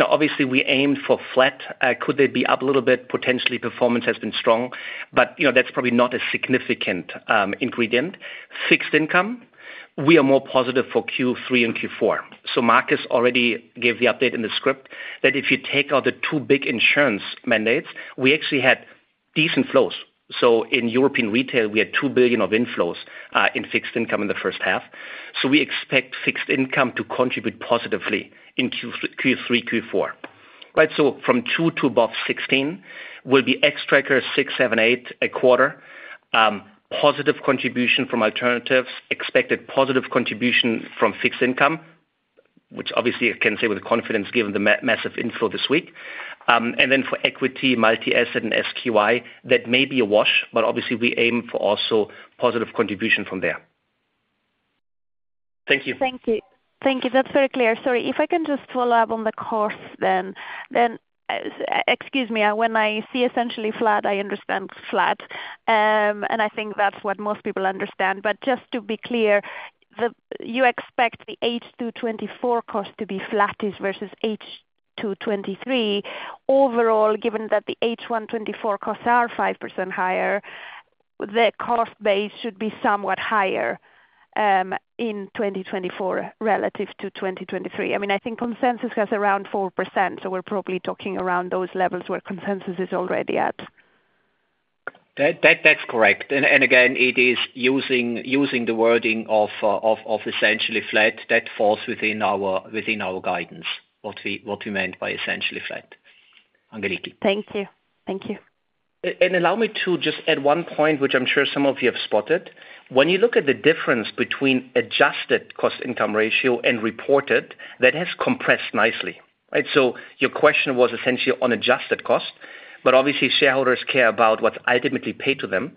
obviously, we aim for flat. Could they be up a little bit? Potentially, performance has been strong, but that's probably not a significant ingredient. Fixed income, we are more positive for Q3 and Q4. So Markus already gave the update in the script that if you take out the two big insurance mandates, we actually had decent flows. So in European retail, we had 2 billion of inflows in fixed income in the H1. So we expect fixed income to contribute positively in Q3, Q4. Right? So from 2 billion to above 16 billion, will be Xtrackers, 6 billion, 7 billion, 8 billion, a quarter. Positive contribution from alternatives, expected positive contribution from fixed income, which obviously I can say with confidence given the massive inflow this week. And then for equity, multi-asset and SQI, that may be a wash, but obviously, we aim for also positive contribution from there. Thank you. Thank you. Thank you. That's very clear. Sorry. If I can just follow up on the cost, then excuse me. When I see essentially flat, I understand flat. And I think that's what most people understand. But just to be clear, you expect the H2 2024 cost to be flat versus H2 2023. Overall, given that the H1 2024 costs are 5% higher, the cost base should be somewhat higher in 2024 relative to 2023. I mean, I think consensus has around 4%, so we're probably talking around those levels where consensus is already at. That's correct. And again, it is using the wording of essentially flat that falls within our guidance, what we meant by essentially flat. Angeliki. Thank you. Thank you. And allow me to just add one point, which I'm sure some of you have spotted. When you look at the difference between adjusted cost-income ratio and reported, that has compressed nicely. Right? So your question was essentially on adjusted cost, but obviously, shareholders care about what's ultimately paid to them.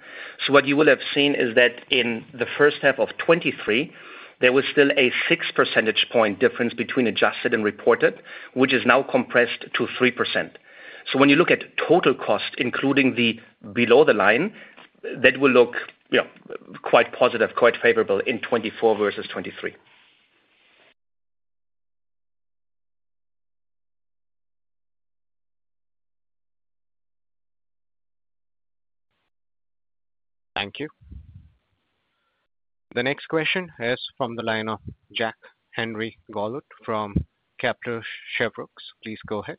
So what you will have seen is that in the H1 of 2023, there was still a 6 percentage point difference between adjusted and reported, which is now compressed to 3%. So when you look at total cost, including the below the line, that will look quite positive, quite favorable in 2024 versus 2023. Thank you. The next question is from the line of Jacques-Henri Gaulard from Kepler Cheuvreux. Please go ahead.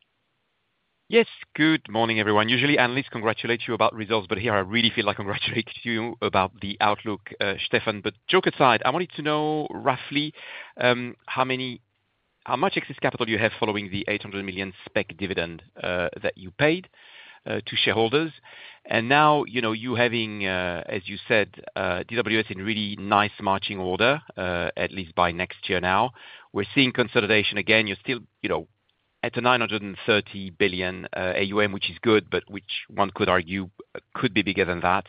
Yes. Good morning, everyone. Usually, Annelies congratulates you about results, but here I really feel like congratulating you about the outlook, Stefan. But joke aside, I wanted to know roughly how much excess capital you have following the 800 million special dividend that you paid to shareholders. And now you having, as you said, DWS in really nice marching order, at least by next year now. We're seeing consolidation again. You're still at 930 billion AUM, which is good, but which one could argue could be bigger than that.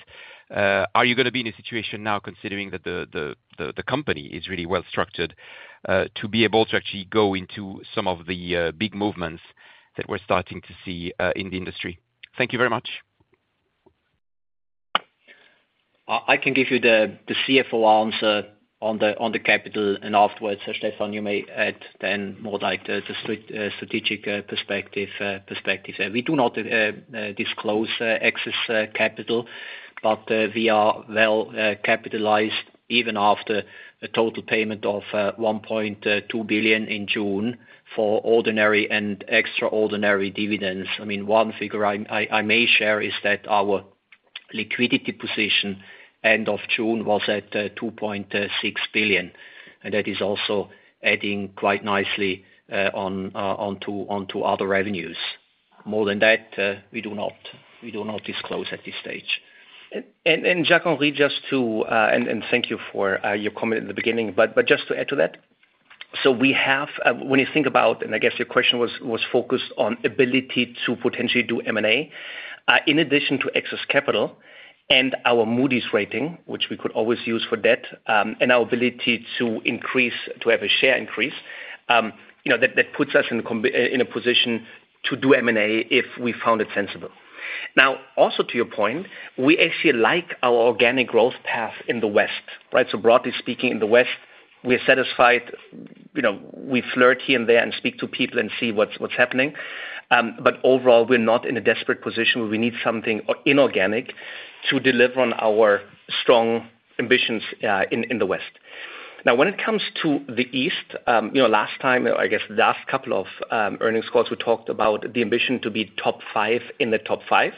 Are you going to be in a situation now considering that the company is really well structured to be able to actually go into some of the big movements that we're starting to see in the industry? Thank you very much. I can give you the CFO answer on the capital and afterwards, Stefan, you may add then more like the strategic perspective. We do not disclose excess capital, but we are well capitalized even after a total payment of 1.2 billion in June for ordinary and extraordinary dividends. I mean, one figure I may share is that our liquidity position end of June was at 2.6 billion. And that is also adding quite nicely onto other revenues. More than that, we do not disclose at this stage. Jack Henry, just to, and thank you for your comment at the beginning, but just to add to that, so we have, when you think about, and I guess your question was focused on ability to potentially do M&A in addition to excess capital and our Moody's rating, which we could always use for debt, and our ability to increase, to have a share increase, that puts us in a position to do M&A if we found it sensible. Now, also to your point, we actually like our organic growth path in the West. Right? So broadly speaking, in the West, we're satisfied. We flirt here and there and speak to people and see what's happening. But overall, we're not in a desperate position where we need something inorganic to deliver on our strong ambitions in the West. Now, when it comes to the East, last time, I guess the last couple of earnings calls, we talked about the ambition to be top five in the top five.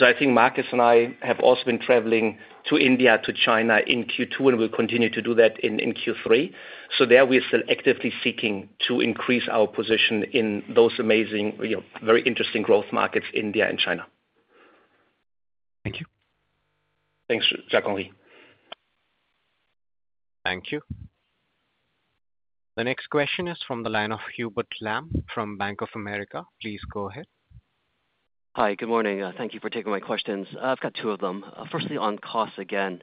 So I think Markus and I have also been traveling to India, to China in Q2, and we'll continue to do that in Q3. So there we are still actively seeking to increase our position in those amazing, very interesting growth markets, India and China. Thank you. Thanks, Jacques-Henri. Thank you. The next question is from the line of Hubert Lam from Bank of America. Please go ahead. Hi. Good morning. Thank you for taking my questions. I've got two of them. Firstly, on costs again.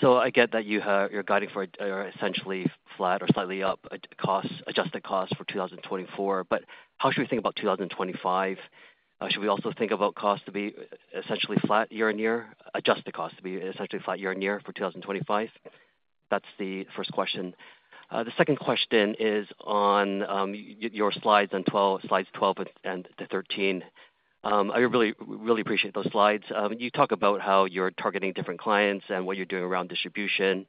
So I get that you're guiding for essentially flat or slightly up adjusted costs for 2024, but how should we think about 2025? Should we also think about costs to be essentially flat year-over-year, adjusted costs to be essentially flat year-over-year for 2025? That's the first question. The second question is on your slides, slides 12 and 13. I really appreciate those slides. You talk about how you're targeting different clients and what you're doing around distribution.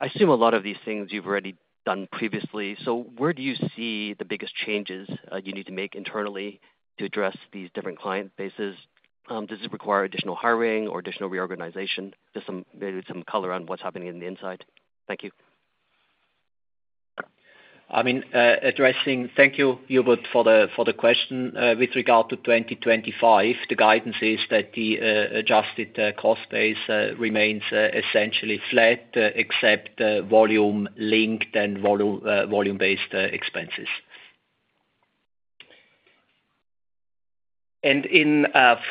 I assume a lot of these things you've already done previously. So where do you see the biggest changes you need to make internally to address these different client bases? Does it require additional hiring or additional reorganization? Just maybe some color on what's happening on the inside. Thank you. I mean, addressing thank you, Hubert, for the question. With regard to 2025, the guidance is that the adjusted cost base remains essentially flat, except volume-linked and volume-based expenses.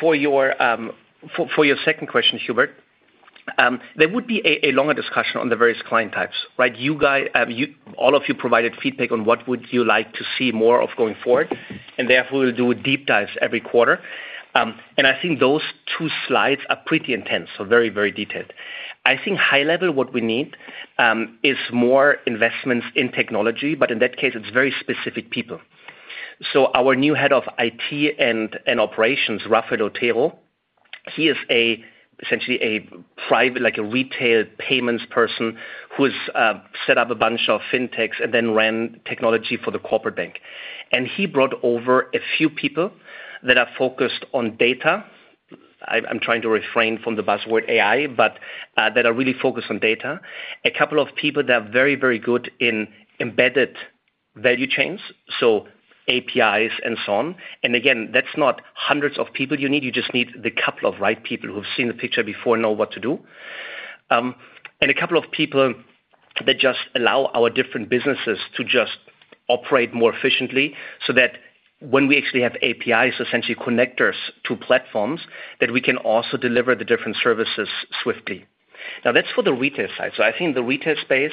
For your second question, Hubert, there would be a longer discussion on the various client types. Right? All of you provided feedback on what would you like to see more of going forward. And therefore, we'll do deep dives every quarter. And I think those two slides are pretty intense, so very, very detailed. I think high-level what we need is more investments in technology, but in that case, it's very specific people. So our new head of IT and operations, Rafael Otero, he is essentially a retail payments person who has set up a bunch of fintechs and then ran technology for the corporate bank. And he brought over a few people that are focused on data. I'm trying to refrain from the buzzword AI, but that are really focused on data. A couple of people that are very, very good in embedded value chains, so APIs and so on. And again, that's not hundreds of people you need. You just need the couple of right people who've seen the picture before and know what to do. And a couple of people that just allow our different businesses to just operate more efficiently so that when we actually have APIs, essentially connectors to platforms, that we can also deliver the different services swiftly. Now, that's for the retail side. So I think the retail space,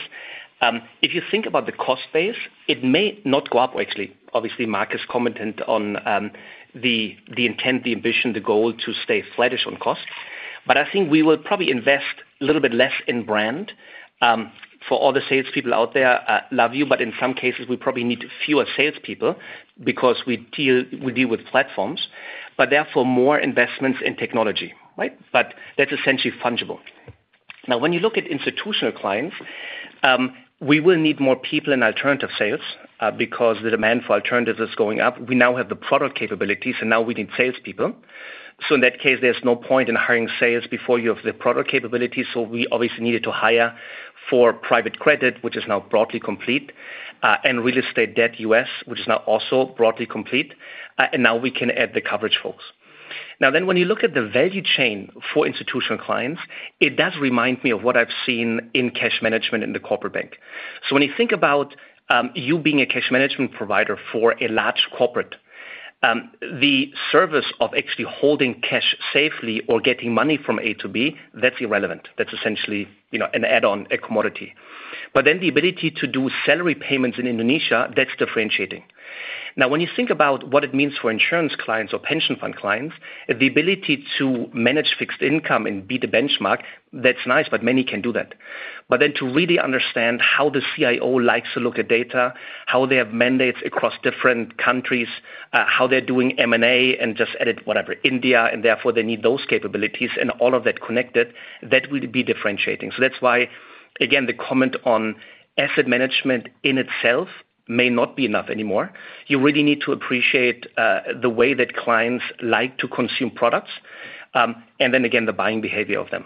if you think about the cost base, it may not go up, actually. Obviously, Markus commented on the intent, the ambition, the goal to stay flattish on costs. But I think we will probably invest a little bit less in brand. For all the salespeople out there, I love you, but in some cases, we probably need fewer salespeople because we deal with platforms. But therefore, more investments in technology. Right? But that's essentially fungible. Now, when you look at institutional clients, we will need more people in alternative sales because the demand for alternatives is going up. We now have the product capabilities, and now we need salespeople. So in that case, there's no point in hiring sales before you have the product capabilities. So we obviously needed to hire for private credit, which is now broadly complete, and real estate debt U.S., which is now also broadly complete. Now we can add the coverage folks. Now, then when you look at the value chain for institutional clients, it does remind me of what I've seen in cash management in the corporate bank. So when you think about you being a cash management provider for a large corporate, the service of actually holding cash safely or getting money from A to B, that's irrelevant. That's essentially an add-on, a commodity. But then the ability to do salary payments in Indonesia, that's differentiating. Now, when you think about what it means for insurance clients or pension fund clients, the ability to manage fixed income and be the benchmark, that's nice, but many can do that. But then to really understand how the CIO likes to look at data, how they have mandates across different countries, how they're doing M&A and just added whatever, India, and therefore they need those capabilities and all of that connected, that will be differentiating. So that's why, again, the comment on asset management in itself may not be enough anymore. You really need to appreciate the way that clients like to consume products and then, again, the buying behavior of them.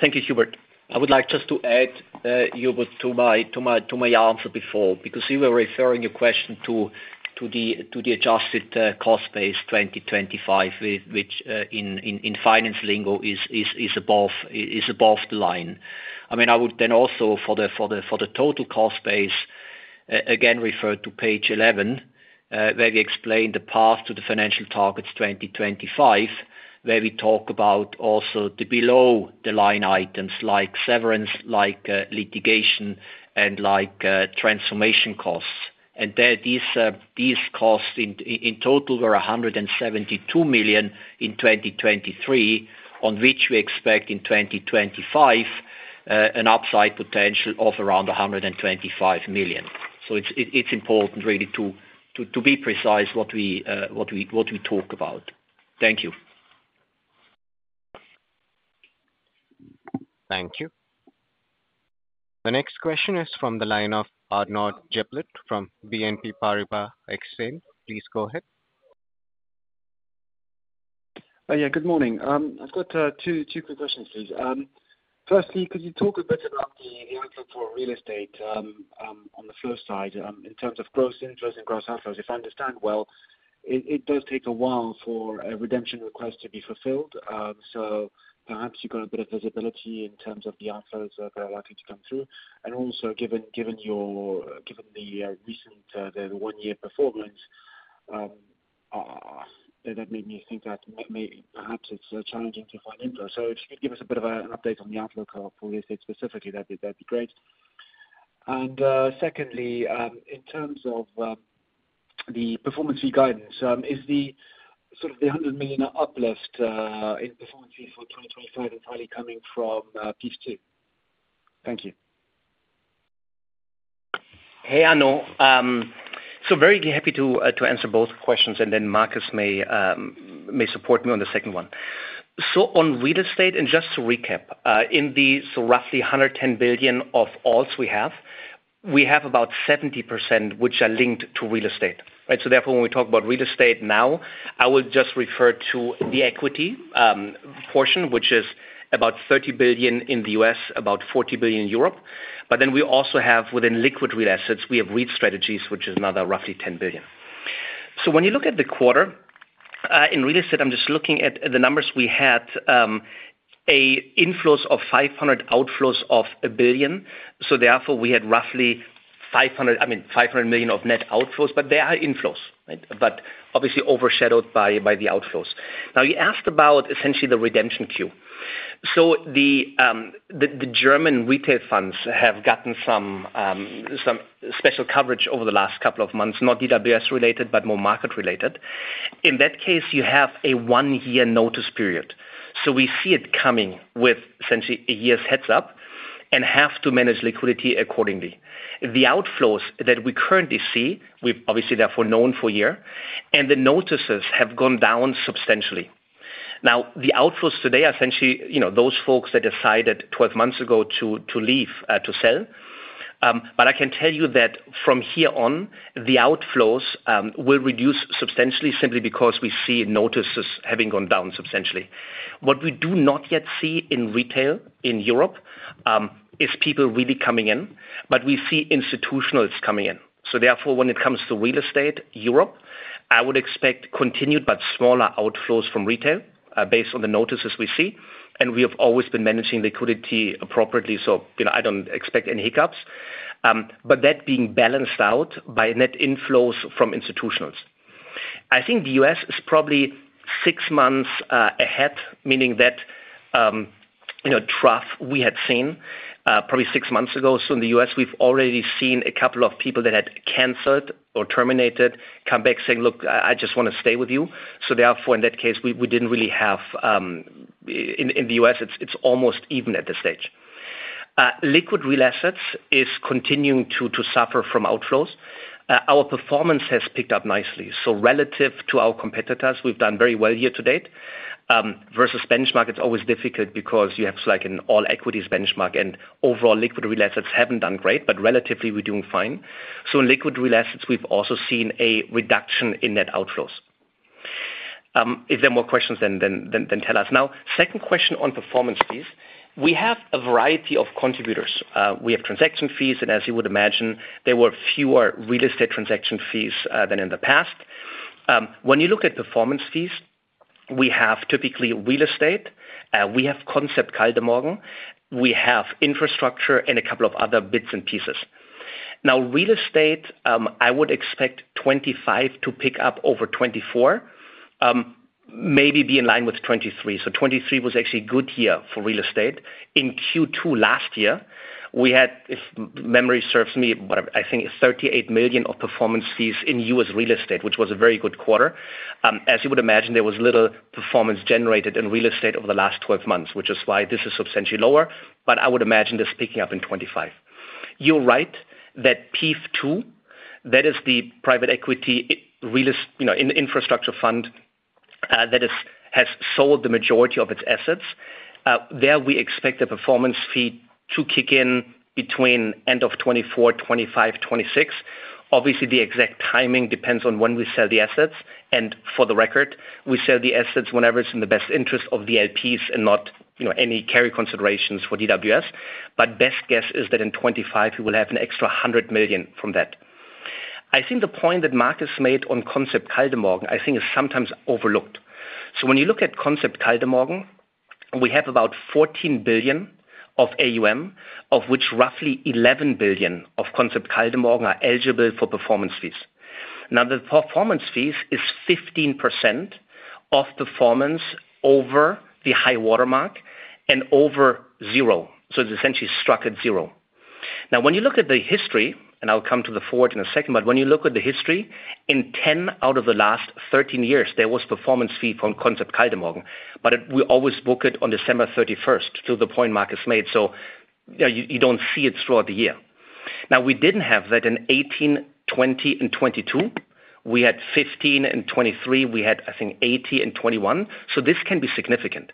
Thank you, Hubert. I would like just to add, Hubert, to my answer before because you were referring your question to the adjusted cost base 2025, which in finance lingo is above the line. I mean, I would then also for the total cost base, again, refer to page 11, where we explain the path to the financial targets 2025, where we talk about also the below the line items like severance, like litigation, and like transformation costs. And these costs in total were 172 million in 2023, on which we expect in 2025 an upside potential of around 125 million. So it's important really to be precise what we talk about. Thank you. Thank you. The next question is from the line of Arnaud Giblat from BNP Paribas Exane. Please go ahead. Yeah. Good morning. I've got two quick questions, please. Firstly, could you talk a bit about the outlook for real estate on the flow side in terms of gross interest and gross outflows? If I understand well, it does take a while for a redemption request to be fulfilled. So perhaps you've got a bit of visibility in terms of the outflows that are likely to come through. And also, given the recent one-year performance, that made me think that perhaps it's challenging to find info. So if you could give us a bit of an update on the outlook for real estate specifically, that'd be great. And secondly, in terms of the performance fee guidance, is sort of the 100 million uplift in performance fees for 2025 entirely coming from phase II? Thank you. Hey, Arnaud. So very happy to answer both questions, and then Markus may support me on the second one. So on real estate, and just to recap, in the roughly 110 billion of AUMs we have, we have about 70% which are linked to real estate. Right? So therefore, when we talk about real estate now, I will just refer to the equity portion, which is about 30 billion in the U.S., about 40 billion in Europe. But then we also have within liquid real assets, we have REIT strategies, which is another roughly 10 billion. So when you look at the quarter, in real estate, I'm just looking at the numbers we had, inflows of 500 million, outflows of 1 billion. So therefore, we had roughly, I mean, 500 million of net outflows, but there are inflows, right, but obviously overshadowed by the outflows. Now, you asked about essentially the redemption queue. So the German retail funds have gotten some special coverage over the last couple of months, not DWS-related, but more market-related. In that case, you have a 1-year notice period. So we see it coming with essentially a year's heads-up and have to manage liquidity accordingly. The outflows that we currently see, we've obviously therefore known for a year, and the notices have gone down substantially. Now, the outflows today are essentially those folks that decided 12 months ago to leave, to sell. But I can tell you that from here on, the outflows will reduce substantially simply because we see notices having gone down substantially. What we do not yet see in retail in Europe is people really coming in, but we see institutionals coming in. So therefore, when it comes to real estate, Europe, I would expect continued but smaller outflows from retail based on the notices we see. And we have always been managing liquidity appropriately, so I don't expect any hiccups. But that being balanced out by net inflows from institutionals. I think the U.S. is probably six months ahead, meaning that trough we had seen probably six months ago. So in the U.S., we've already seen a couple of people that had canceled or terminated come back saying, "Look, I just want to stay with you." So therefore, in that case, we didn't really have in the U.S., it's almost even at this stage. Liquid real assets is continuing to suffer from outflows. Our performance has picked up nicely. So relative to our competitors, we've done very well year to date. Versus benchmark, it's always difficult because you have an all equities benchmark, and overall liquid real assets haven't done great, but relatively, we're doing fine. So in liquid real assets, we've also seen a reduction in net outflows. If there are more questions, then tell us. Now, second question on performance, please. We have a variety of contributors. We have transaction fees, and as you would imagine, there were fewer real estate transaction fees than in the past. When you look at performance fees, we have typically real estate. We have Concept Kaldemorgen. We have infrastructure and a couple of other bits and pieces. Now, real estate, I would expect 2025 to pick up over 2024, maybe be in line with 2023. So 2023 was actually a good year for real estate. In Q2 last year, we had, if memory serves me, I think 38 million of performance fees in U.S. real estate, which was a very good quarter. As you would imagine, there was little performance generated in real estate over the last 12 months, which is why this is substantially lower. But I would imagine this picking up in 2025. You're right that PEIF II, that is the private equity infrastructure fund that has sold the majority of its assets, there we expect the performance fee to kick in between end of 2024, 2025, 2026. Obviously, the exact timing depends on when we sell the assets. And for the record, we sell the assets whenever it's in the best interest of the LPs and not any carry considerations for DWS. But best guess is that in 2025, we will have an extra 100 million from that. I think the point that Markus made on Concept Kaldemorgen, I think, is sometimes overlooked. So when you look at Concept Kaldemorgen, we have about 14 billion of AUM, of which roughly 11 billion of Concept Kaldemorgen are eligible for performance fees. Now, the performance fees is 15% of performance over the high watermark and over zero. So it's essentially struck at zero. Now, when you look at the history, and I'll come to the forward in a second, but when you look at the history, in 10 out of the last 13 years, there was performance fee from Concept Kaldemorgen. But we always book it on December 31st to the point Markus made. So you don't see it throughout the year. Now, we didn't have that in 2018, 2020, and 2022. We had 2015 and 2023. We had, I think, 19 and 21. So this can be significant.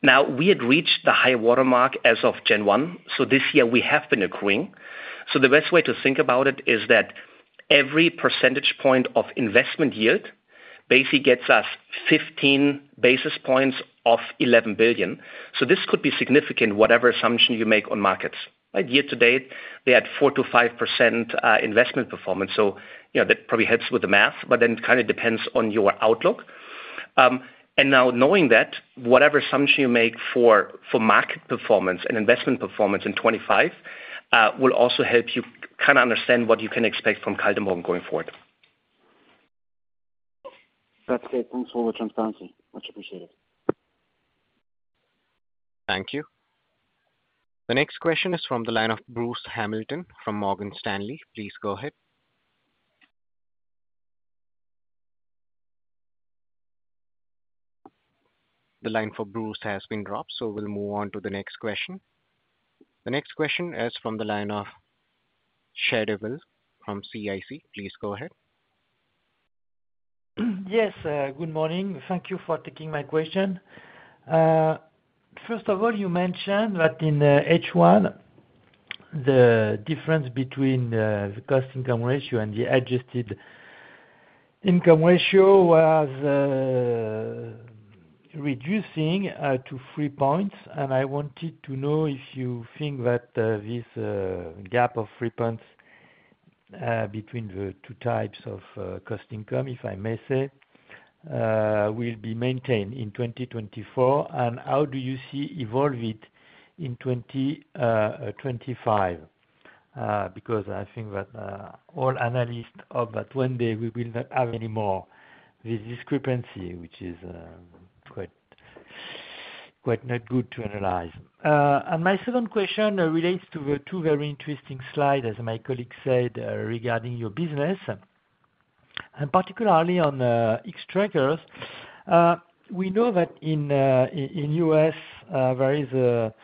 Now, we had reached the high watermark as of Q1. So this year, we have been accruing. So the best way to think about it is that every percentage point of investment yield basically gets us 15 basis points of 11 billion. So this could be significant, whatever assumption you make on markets. Right? Year to date, they had 4%-5% investment performance. So that probably helps with the math, but then it kind of depends on your outlook. And now, knowing that, whatever assumption you make for market performance and investment performance in 2025 will also help you kind of understand what you can expect from Kaldemorgen going forward. That's great. Thanks for the transparency. Much appreciated. Thank you. The next question is from the line of Bruce Hamilton from Morgan Stanley. Please go ahead. The line for Bruce has been dropped, so we'll move on to the next question. The next question is from the line of Pierre Chedeville from CIC. Please go ahead. Yes. Good morning. Thank you for taking my question. First of all, you mentioned that in H1, the difference between the cost income ratio and the adjusted income ratio was reducing to three points. And I wanted to know if you think that this gap of three points between the two types of cost income, if I may say, will be maintained in 2024, and how do you see evolving in 2025? Because I think that all analysts hope that one day we will not have any more of this discrepancy, which is quite not good to analyze. And my second question relates to the two very interesting slides, as my colleague said, regarding your business, and particularly on Xtrackers. We know that in U.S., there is a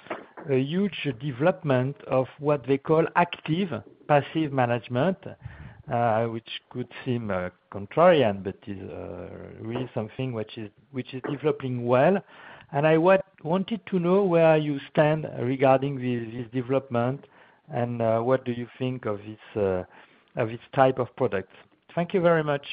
huge development of what they call active-passive management, which could seem contrarian, but is really something which is developing well. And I wanted to know where you stand regarding this development and what do you think of this type of product. Thank you very much.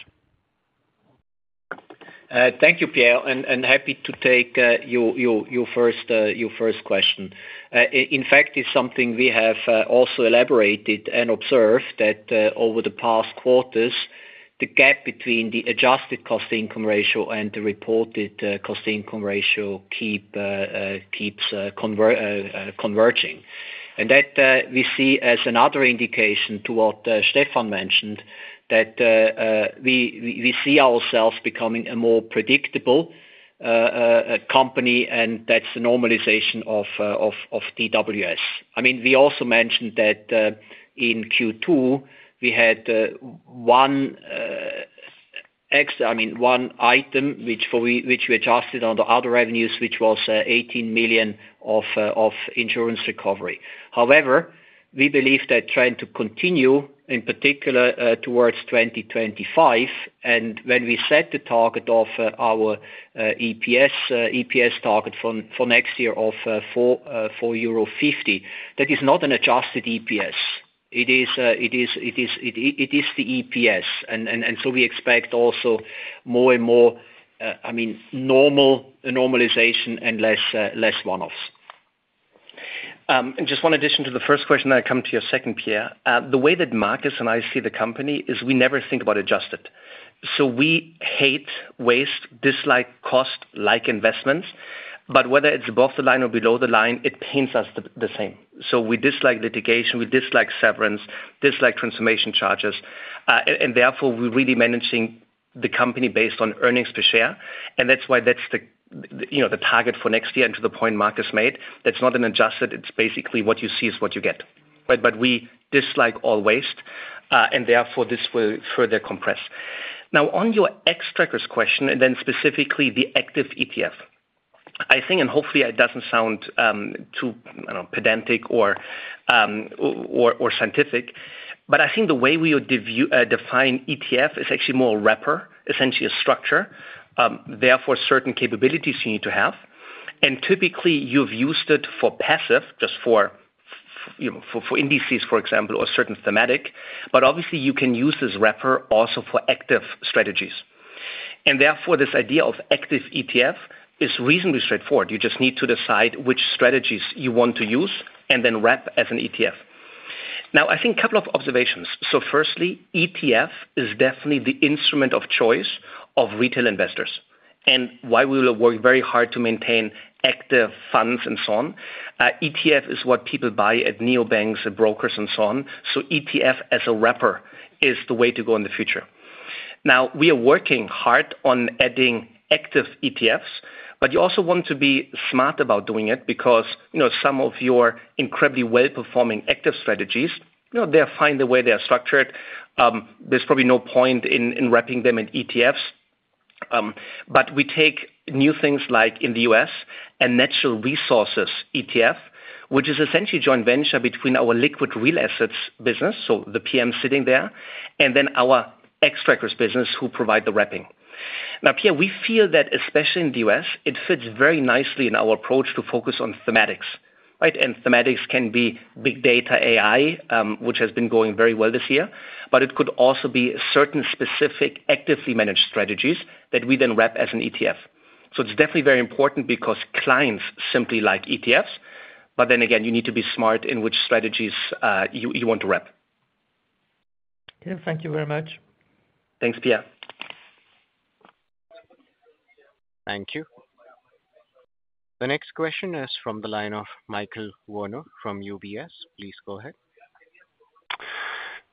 Thank you, Pierre. And happy to take your first question. In fact, it's something we have also elaborated and observed that over the past quarters, the gap between the adjusted cost income ratio and the reported cost income ratio keeps converging. And that we see as another indication to what Stefan mentioned, that we see ourselves becoming a more predictable company, and that's the normalization of DWS. I mean, we also mentioned that in Q2, we had one item which we adjusted under other revenues, which was 18 million of insurance recovery. However, we believe that trend to continue, in particular towards 2025, and when we set the target of our EPS target for next year of 4.50 euro, that is not an adjusted EPS. It is the EPS. So we expect also more and more, I mean, normalization and less one-offs. Just one addition to the first question that I come to your second, Pierre. The way that Markus and I see the company is we never think about adjusted. So we hate, waste, dislike cost-like investments. But whether it's above the line or below the line, it pains us the same. So we dislike litigation. We dislike severance, dislike transformation charges. Therefore, we're really managing the company based on earnings per share. That's why that's the target for next year and to the point Markus made. That's not an adjusted. It's basically what you see is what you get. But we dislike all waste. And therefore, this will further compress. Now, on your Xtrackers question, and then specifically the active ETF, I think, and hopefully, it doesn't sound too pedantic or scientific, but I think the way we define ETF is actually more wrapper, essentially a structure. Therefore, certain capabilities you need to have. And typically, you've used it for passive, just for indices, for example, or certain thematic. But obviously, you can use this wrapper also for active strategies. And therefore, this idea of active ETF is reasonably straightforward. You just need to decide which strategies you want to use and then wrap as an ETF. Now, I think a couple of observations. So firstly, ETF is definitely the instrument of choice of retail investors. While we will work very hard to maintain active funds and so on, ETF is what people buy at neobanks and brokers and so on. So ETF as a wrapper is the way to go in the future. Now, we are working hard on adding active ETFs, but you also want to be smart about doing it because some of your incredibly well-performing active strategies, they're fine the way they're structured. There's probably no point in wrapping them in ETFs. But we take new things like in the U.S., a natural resources ETF, which is essentially a joint venture between our liquid real assets business, so the PM sitting there, and then our Xtrackers business who provide the wrapping. Now, Pierre, we feel that especially in the U.S., it fits very nicely in our approach to focus on thematics. Right? And thematics can be big data AI, which has been going very well this year, but it could also be certain specific actively managed strategies that we then wrap as an ETF. So it's definitely very important because clients simply like ETFs. But then again, you need to be smart in which strategies you want to wrap. Thank you very much. Thanks, Pierre. Thank you. The next question is from the line of Michael Werner from UBS. Please go ahead.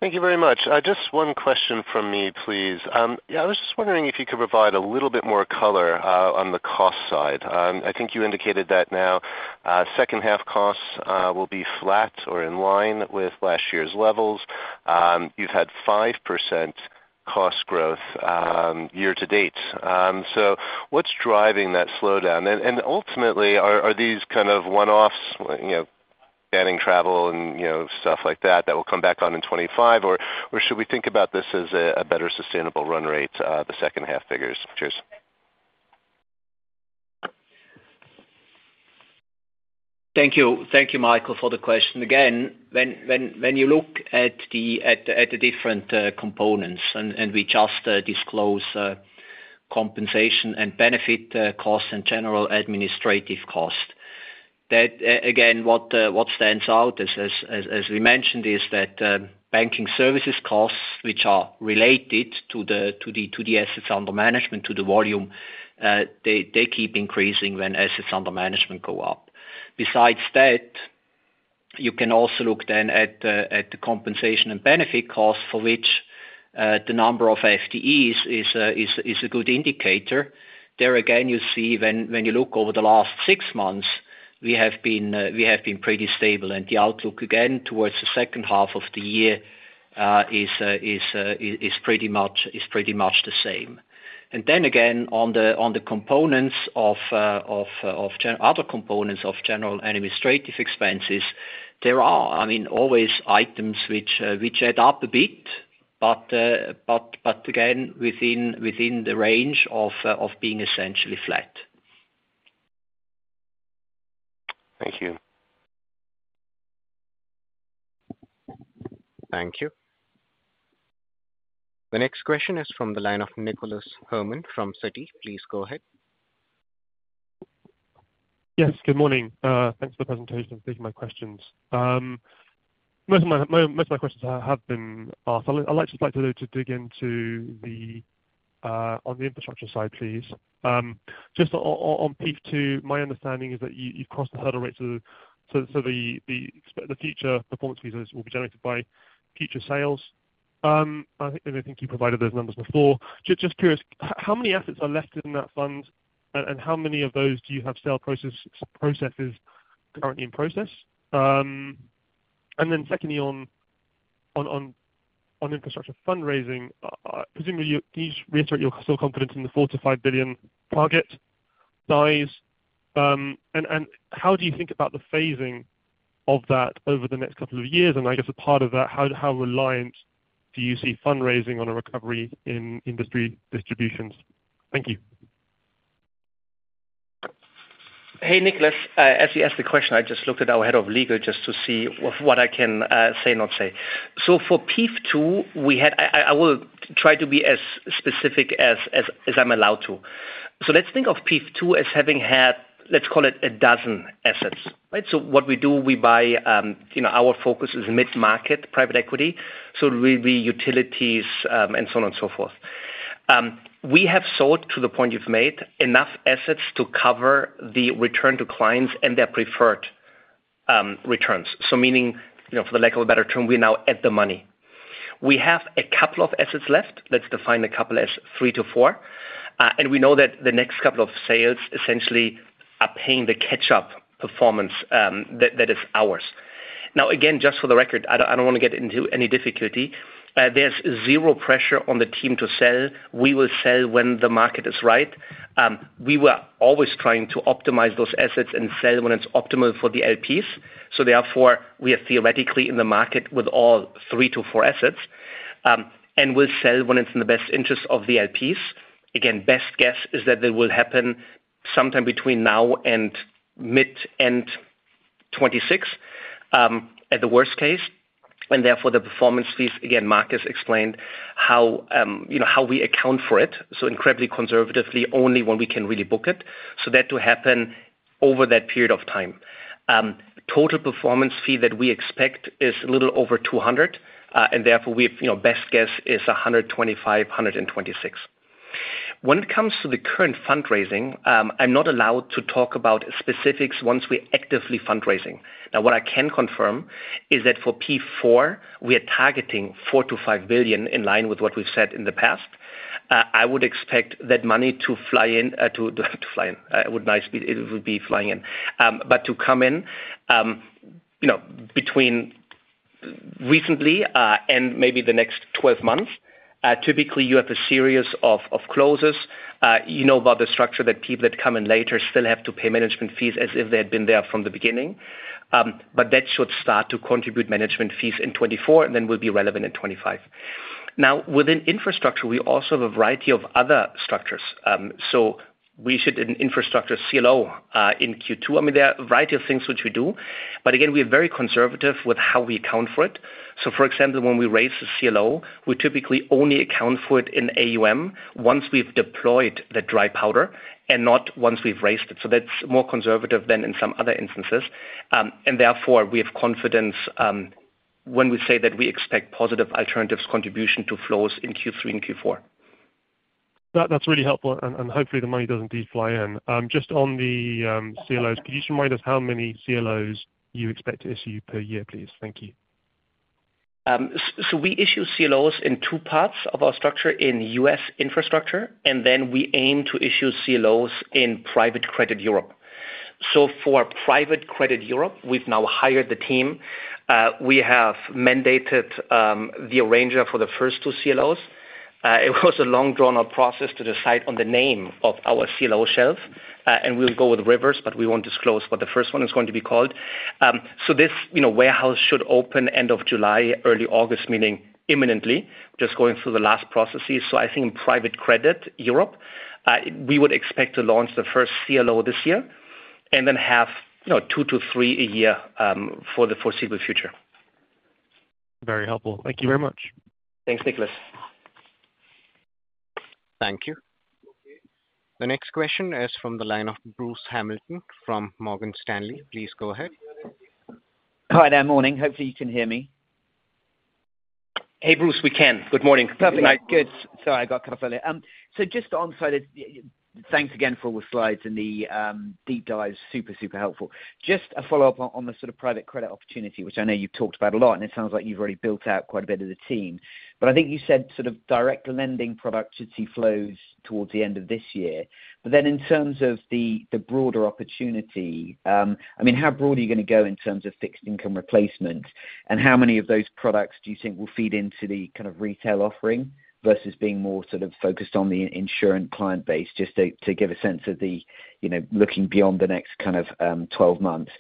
Thank you very much. Just one question from me, please. I was just wondering if you could provide a little bit more color on the cost side. I think you indicated that now H2 costs will be flat or in line with last year's levels. You've had 5% cost growth year to date. So what's driving that slowdown? Ultimately, are these kind of one-offs, banning travel and stuff like that, that will come back on in 2025, or should we think about this as a better sustainable run rate, the H2 figures? Cheers. Thank you. Thank you, Michael, for the question. Again, when you look at the different components and we just disclose compensation and benefit costs and general administrative costs, that, again, what stands out, as we mentioned, is that banking services costs, which are related to the assets under management, to the volume, they keep increasing when assets under management go up. Besides that, you can also look then at the compensation and benefit costs for which the number of FTEs is a good indicator. There, again, you see when you look over the last six months, we have been pretty stable. And the outlook, again, towards the H2 of the year is pretty much the same. And then again, on the components of other components of general administrative expenses, there are, I mean, always items which add up a bit, but again, within the range of being essentially flat. Thank you. Thank you. The next question is from the line of Nicholas Herman from Citi. Please go ahead. Yes. Good morning. Thanks for the presentation and taking my questions. Most of my questions have been asked. I'd just like to dig into the infrastructure side, please. Just on PEIF II, my understanding is that you've crossed the hurdle rate so the future performance fees will be generated by future sales. And I think you provided those numbers before. Just curious, how many assets are left in that fund, and how many of those do you have sale processes currently in process? And then secondly, on infrastructure fundraising, presumably, can you just reiterate your self-confidence in the 4 billion-5 billion target size? And how do you think about the phasing of that over the next couple of years? And I guess a part of that, how reliant do you see fundraising on a recovery in industry distributions? Thank you. Hey, Nicholas. As you asked the question, I just looked at our head of legal just to see what I can say and not say. So for PEIF II, I will try to be as specific as I'm allowed to. So let's think of PEIF II as having had, let's call it a dozen assets. Right? So what we do, we buy—our focus is mid-market private equity, so really utilities and so on and so forth. We have sold, to the point you've made, enough assets to cover the return to clients and their preferred returns. So meaning, for the lack of a better term, we're now at the money. We have a couple of assets left. Let's define a couple as 3-4. And we know that the next couple of sales essentially are paying the catch-up performance that is ours. Now, again, just for the record, I don't want to get into any difficulty. There's 0 pressure on the team to sell. We will sell when the market is right. We were always trying to optimize those assets and sell when it's optimal for the LPs. So therefore, we are theoretically in the market with all 3-4 assets and will sell when it's in the best interest of the LPs. Again, best guess is that that will happen sometime between now and mid- to end-2026 in the worst case. And therefore, the performance fees, again, Markus explained how we account for it, so incredibly conservatively only when we can really book it. So that to happen over that period of time. Total performance fee that we expect is a little over 200. And therefore, best guess is 125, 126. When it comes to the current fundraising, I'm not allowed to talk about specifics once we're actively fundraising. Now, what I can confirm is that for PEIF IV, we are targeting 4 billion-5 billion in line with what we've said in the past. I would expect that money to fly in. It would be flying in. But to come in between recently and maybe the next 12 months, typically, you have a series of closers. You know about the structure that people that come in later still have to pay management fees as if they had been there from the beginning. But that should start to contribute management fees in 2024 and then will be relevant in 2025. Now, within infrastructure, we also have a variety of other structures. So we should, in infrastructure, CLO in Q2. I mean, there are a variety of things which we do. But again, we are very conservative with how we account for it. So for example, when we raise the CLO, we typically only account for it in AUM once we've deployed the dry powder and not once we've raised it. So that's more conservative than in some other instances. Therefore, we have confidence when we say that we expect positive alternatives contribution to flows in Q3 and Q4. That's really helpful. Hopefully, the money doesn't delay in. Just on the CLOs, could you just remind us how many CLOs you expect to issue per year, please? Thank you. We issue CLOs in two parts of our structure in U.S. infrastructure, and then we aim to issue CLOs in private credit Europe. For private credit Europe, we've now hired the team. We have mandated the arranger for the first two CLOs. It was a long, drawn-out process to decide on the name of our CLO shelf. We'll go with Rivers, but we won't disclose what the first one is going to be called. This warehouse should open end of July, early August, meaning imminently, just going through the last processes. So I think in private credit Europe, we would expect to launch the first CLO this year and then have 2-3 a year for the foreseeable future. Very helpful. Thank you very much. Thanks, Nicholas. Thank you. The next question is from the line of Bruce Hamilton from Morgan Stanley. Please go ahead. Hi, good morning. Hopefully, you can hear me. Hey, Bruce. We can. Good morning. Perfect. Good. Sorry, I got cut off earlier. So just to answer this, thanks again for all the slides and the deep dives. Super, super helpful. Just a follow-up on the sort of private credit opportunity, which I know you've talked about a lot, and it sounds like you've already built out quite a bit of the team. But I think you said sort of direct lending productivity flows towards the end of this year. But then in terms of the broader opportunity, I mean, how broad are you going to go in terms of fixed income replacement? And how many of those products do you think will feed into the kind of retail offering versus being more sort of focused on the insurance client base, just to give a sense of the looking beyond the next kind of 12 months?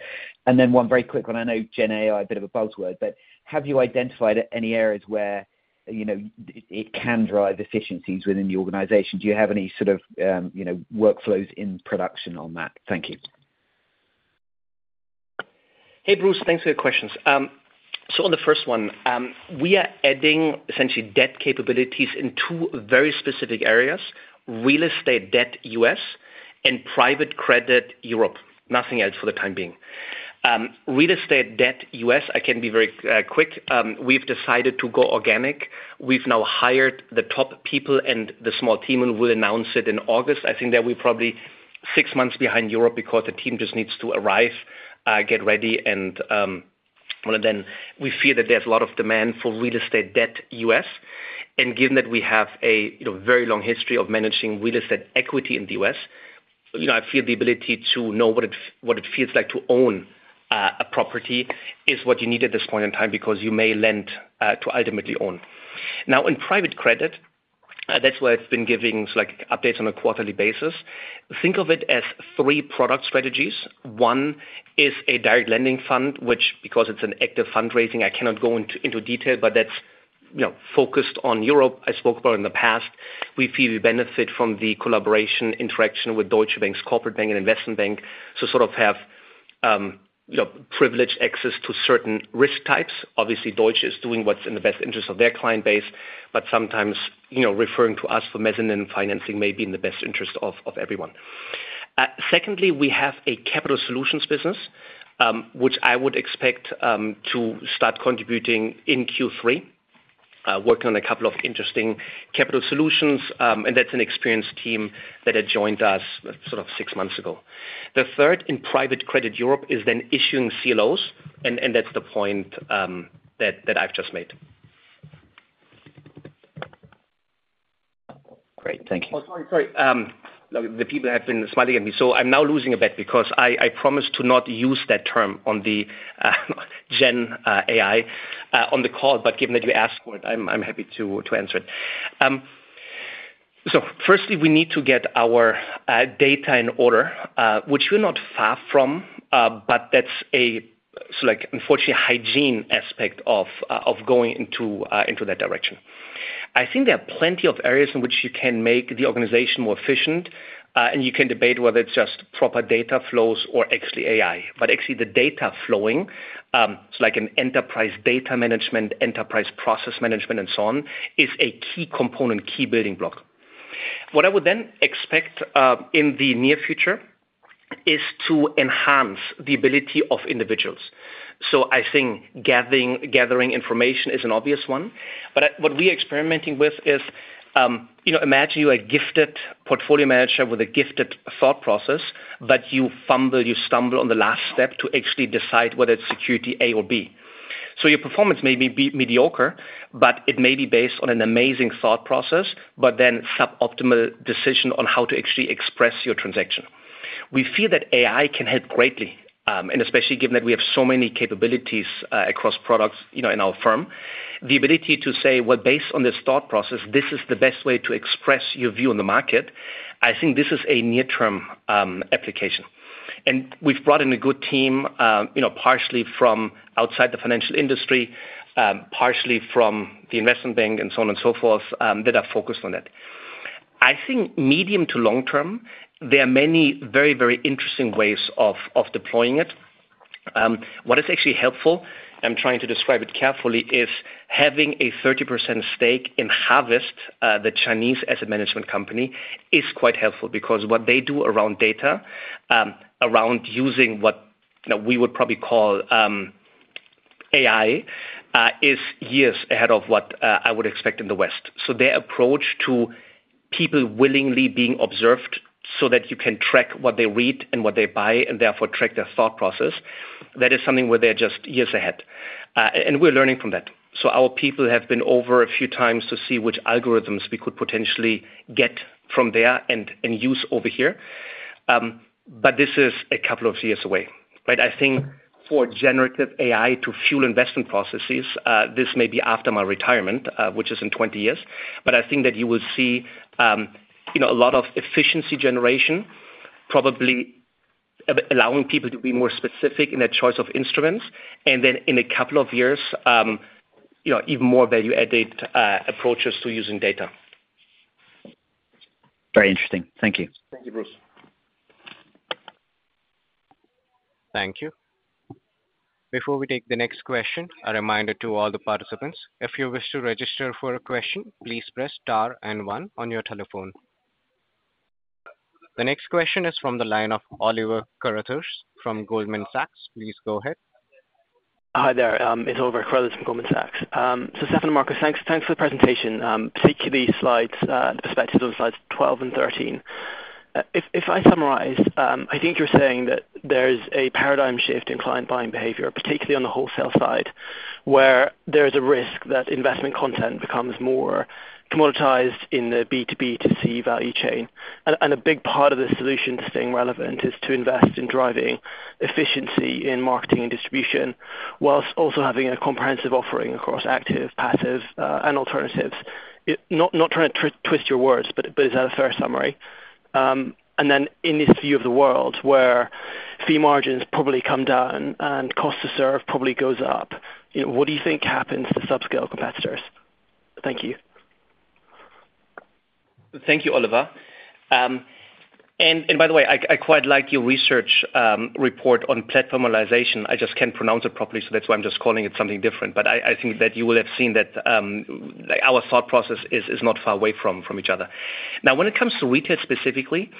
And then one very quick one. I know Gen AI, a bit of a buzzword, but have you identified any areas where it can drive efficiencies within the organization? Do you have any sort of workflows in production on that? Thank you. Hey, Bruce. Thanks for your questions. So on the first one, we are adding essentially debt capabilities in two very specific areas: real estate debt U.S. and private credit Europe. Nothing else for the time being. Real estate debt, U.S., I can be very quick. We've decided to go organic. We've now hired the top people and the small team and will announce it in August. I think that we're probably six months behind Europe because the team just needs to arrive, get ready, and then we feel that there's a lot of demand for real estate debt, U.S. And given that we have a very long history of managing real estate equity in the U.S., I feel the ability to know what it feels like to own a property is what you need at this point in time because you may lend to ultimately own. Now, in private credit, that's where I've been giving updates on a quarterly basis. Think of it as three product strategies. One is a direct lending fund, which, because it's an active fundraising, I cannot go into detail, but that's focused on Europe. I spoke about it in the past. We feel we benefit from the collaboration interaction with Deutsche Bank's corporate bank and investment bank, so sort of have privileged access to certain risk types. Obviously, Deutsche is doing what's in the best interest of their client base, but sometimes referring to us for mezzanine financing may be in the best interest of everyone. Secondly, we have a capital solutions business, which I would expect to start contributing in Q3, working on a couple of interesting capital solutions. And that's an experienced team that had joined us sort of six months ago. The third in private credit Europe is then issuing CLOs, and that's the point that I've just made. Great. Thank you. Sorry. The people have been smiling at me. So I'm now losing a bit because I promised to not use that term on the Gen AI on the call, but given that you asked for it, I'm happy to answer it. So firstly, we need to get our data in order, which we're not far from, but that's an unfortunate hygiene aspect of going into that direction. I think there are plenty of areas in which you can make the organization more efficient, and you can debate whether it's just proper data flows or actually AI. But actually, the data flowing, like enterprise data management, enterprise process management, and so on, is a key component, key building block. What I would then expect in the near future is to enhance the ability of individuals. So I think gathering information is an obvious one. But what we are experimenting with is imagine you're a gifted portfolio manager with a gifted thought process, but you fumble, you stumble on the last step to actually decide whether it's security A or B. So your performance may be mediocre, but it may be based on an amazing thought process, but then suboptimal decision on how to actually express your transaction. We feel that AI can help greatly, and especially given that we have so many capabilities across products in our firm, the ability to say, "Well, based on this thought process, this is the best way to express your view on the market," I think this is a near-term application. And we've brought in a good team partially from outside the financial industry, partially from the investment bank, and so on and so forth that are focused on that. I think medium to long-term, there are many very, very interesting ways of deploying it. What is actually helpful, I'm trying to describe it carefully, is having a 30% stake in Harvest, the Chinese asset management company, is quite helpful because what they do around data, around using what we would probably call AI, is years ahead of what I would expect in the West. So their approach to people willingly being observed so that you can track what they read and what they buy and therefore track their thought process, that is something where they're just years ahead. And we're learning from that. So our people have been over a few times to see which algorithms we could potentially get from there and use over here. But this is a couple of years away. Right? I think for generative AI to fuel investment processes, this may be after my retirement, which is in 20 years. But I think that you will see a lot of efficiency generation, probably allowing people to be more specific in their choice of instruments. And then in a couple of years, even more value-added approaches to using data. Very interesting. Thank you. Thank you, Bruce. Thank you. Before we take the next question, a reminder to all the participants. If you wish to register for a question, please press star and one on your telephone. The next question is from the line of Oliver Carruthers from Goldman Sachs. Please go ahead. Hi there. It's Oliver Carruthers from Goldman Sachs. So Stefan and Markus, thanks for the presentation, particularly the perspectives on slides 12 and 13. If I summarize, I think you're saying that there's a paradigm shift in client buying behavior, particularly on the wholesale side, where there is a risk that investment content becomes more commoditized in the B2B2C value chain. And a big part of the solution to staying relevant is to invest in driving efficiency in marketing and distribution while also having a comprehensive offering across active, passive, and alternatives. Not trying to twist your words, but is that a fair summary? And then in this view of the world where fee margins probably come down and cost to serve probably goes up, what do you think happens to subscale competitors? Thank you. Thank you, Oliver. And by the way, I quite like your research report on platformization. I just can't pronounce it properly, so that's why I'm just calling it something different. But I think that you will have seen that our thought process is not far away from each other. Now, when it comes to retail specifically,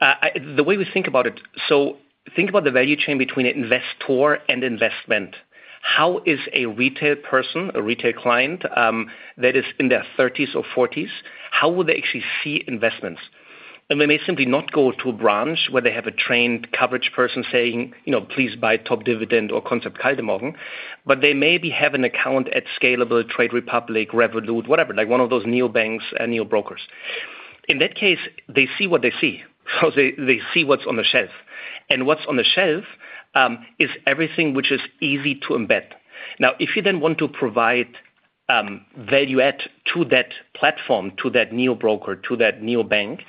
the way we think about it, so think about the value chain between investor and investment. How is a retail person, a retail client that is in their 30s or 40s, how will they actually see investments? And they may simply not go to a branch where they have a trained coverage person saying, "Please buy top dividend or Concept Kaldemorgen," but they maybe have an account at Scalable, Trade Republic, Revolut, whatever, one of those neobanks and neobrokers. In that case, they see what they see. So they see what's on the shelf. And what's on the shelf is everything which is easy to embed. Now, if you then want to provide value-add to that platform, to that neobroker, to that neobank,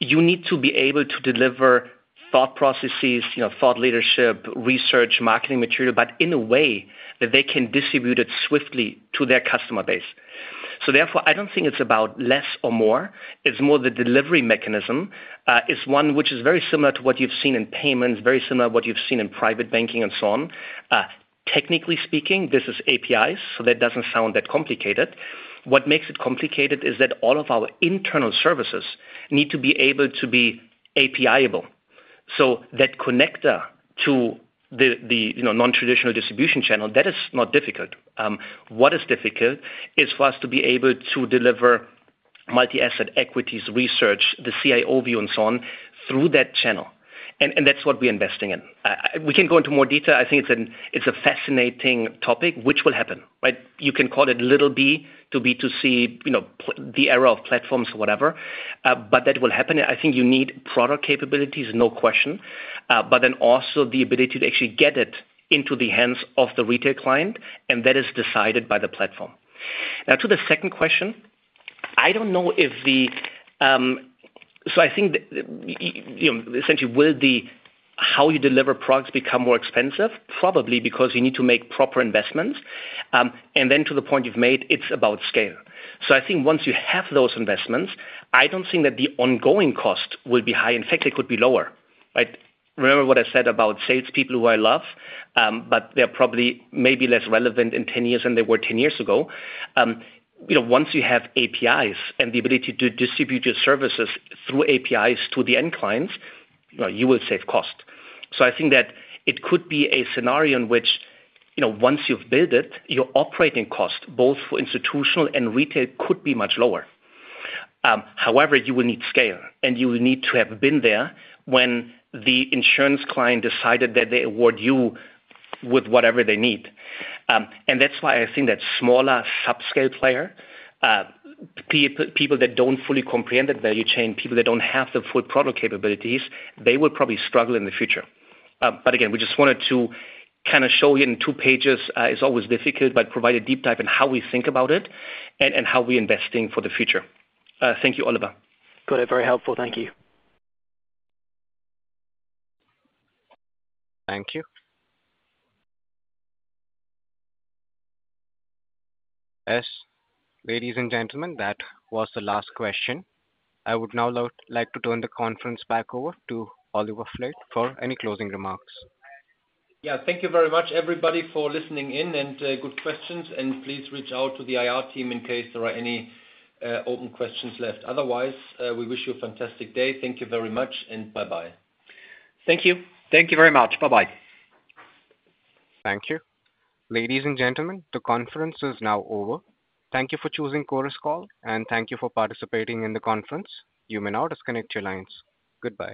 you need to be able to deliver thought processes, thought leadership, research, marketing material, but in a way that they can distribute it swiftly to their customer base. So therefore, I don't think it's about less or more. It's more the delivery mechanism is one which is very similar to what you've seen in payments, very similar to what you've seen in private banking and so on. Technically speaking, this is APIs, so that doesn't sound that complicated. What makes it complicated is that all of our internal services need to be able to be API-able. So that connector to the non-traditional distribution channel, that is not difficult. What is difficult is for us to be able to deliver multi-asset equities research, the CIO view, and so on through that channel. That's what we're investing in. We can go into more detail. I think it's a fascinating topic, which will happen. Right? You can call it B2B2C, the era of platforms or whatever, but that will happen. I think you need product capabilities, no question, but then also the ability to actually get it into the hands of the retail client, and that is decided by the platform. Now, to the second question, I don't know if, so I think essentially, will how you deliver products become more expensive? Probably, because you need to make proper investments. Then to the point you've made, it's about scale. I think once you have those investments, I don't think that the ongoing cost will be high. In fact, it could be lower. Right? Remember what I said about salespeople who I love, but they're probably maybe less relevant in 10 years than they were 10 years ago. Once you have APIs and the ability to distribute your services through APIs to the end clients, you will save cost. So I think that it could be a scenario in which once you've built it, your operating cost, both for institutional and retail, could be much lower. However, you will need scale, and you will need to have been there when the insurance client decided that they award you with whatever they need. And that's why I think that smaller subscale player, people that don't fully comprehend that value chain, people that don't have the full product capabilities, they will probably struggle in the future. But again, we just wanted to kind of show you in two pages; it's always difficult, but provide a deep dive in how we think about it and how we're investing for the future. Thank you, Oliver. Got it. Very helpful. Thank you. Thank you. Yes. Ladies and gentlemen, that was the last question. I would now like to turn the conference back over to Oliver Flade for any closing remarks. Yeah. Thank you very much, everybody, for listening in and good questions. And please reach out to the IR team in case there are any open questions left. Otherwise, we wish you a fantastic day. Thank you very much, and bye-bye. Thank you. Thank you very much. Bye-bye. Thank you. Ladies and gentlemen, the conference is now over. Thank you for choosing Chorus Call, and thank you for participating in the conference. You may now disconnect your lines. Goodbye.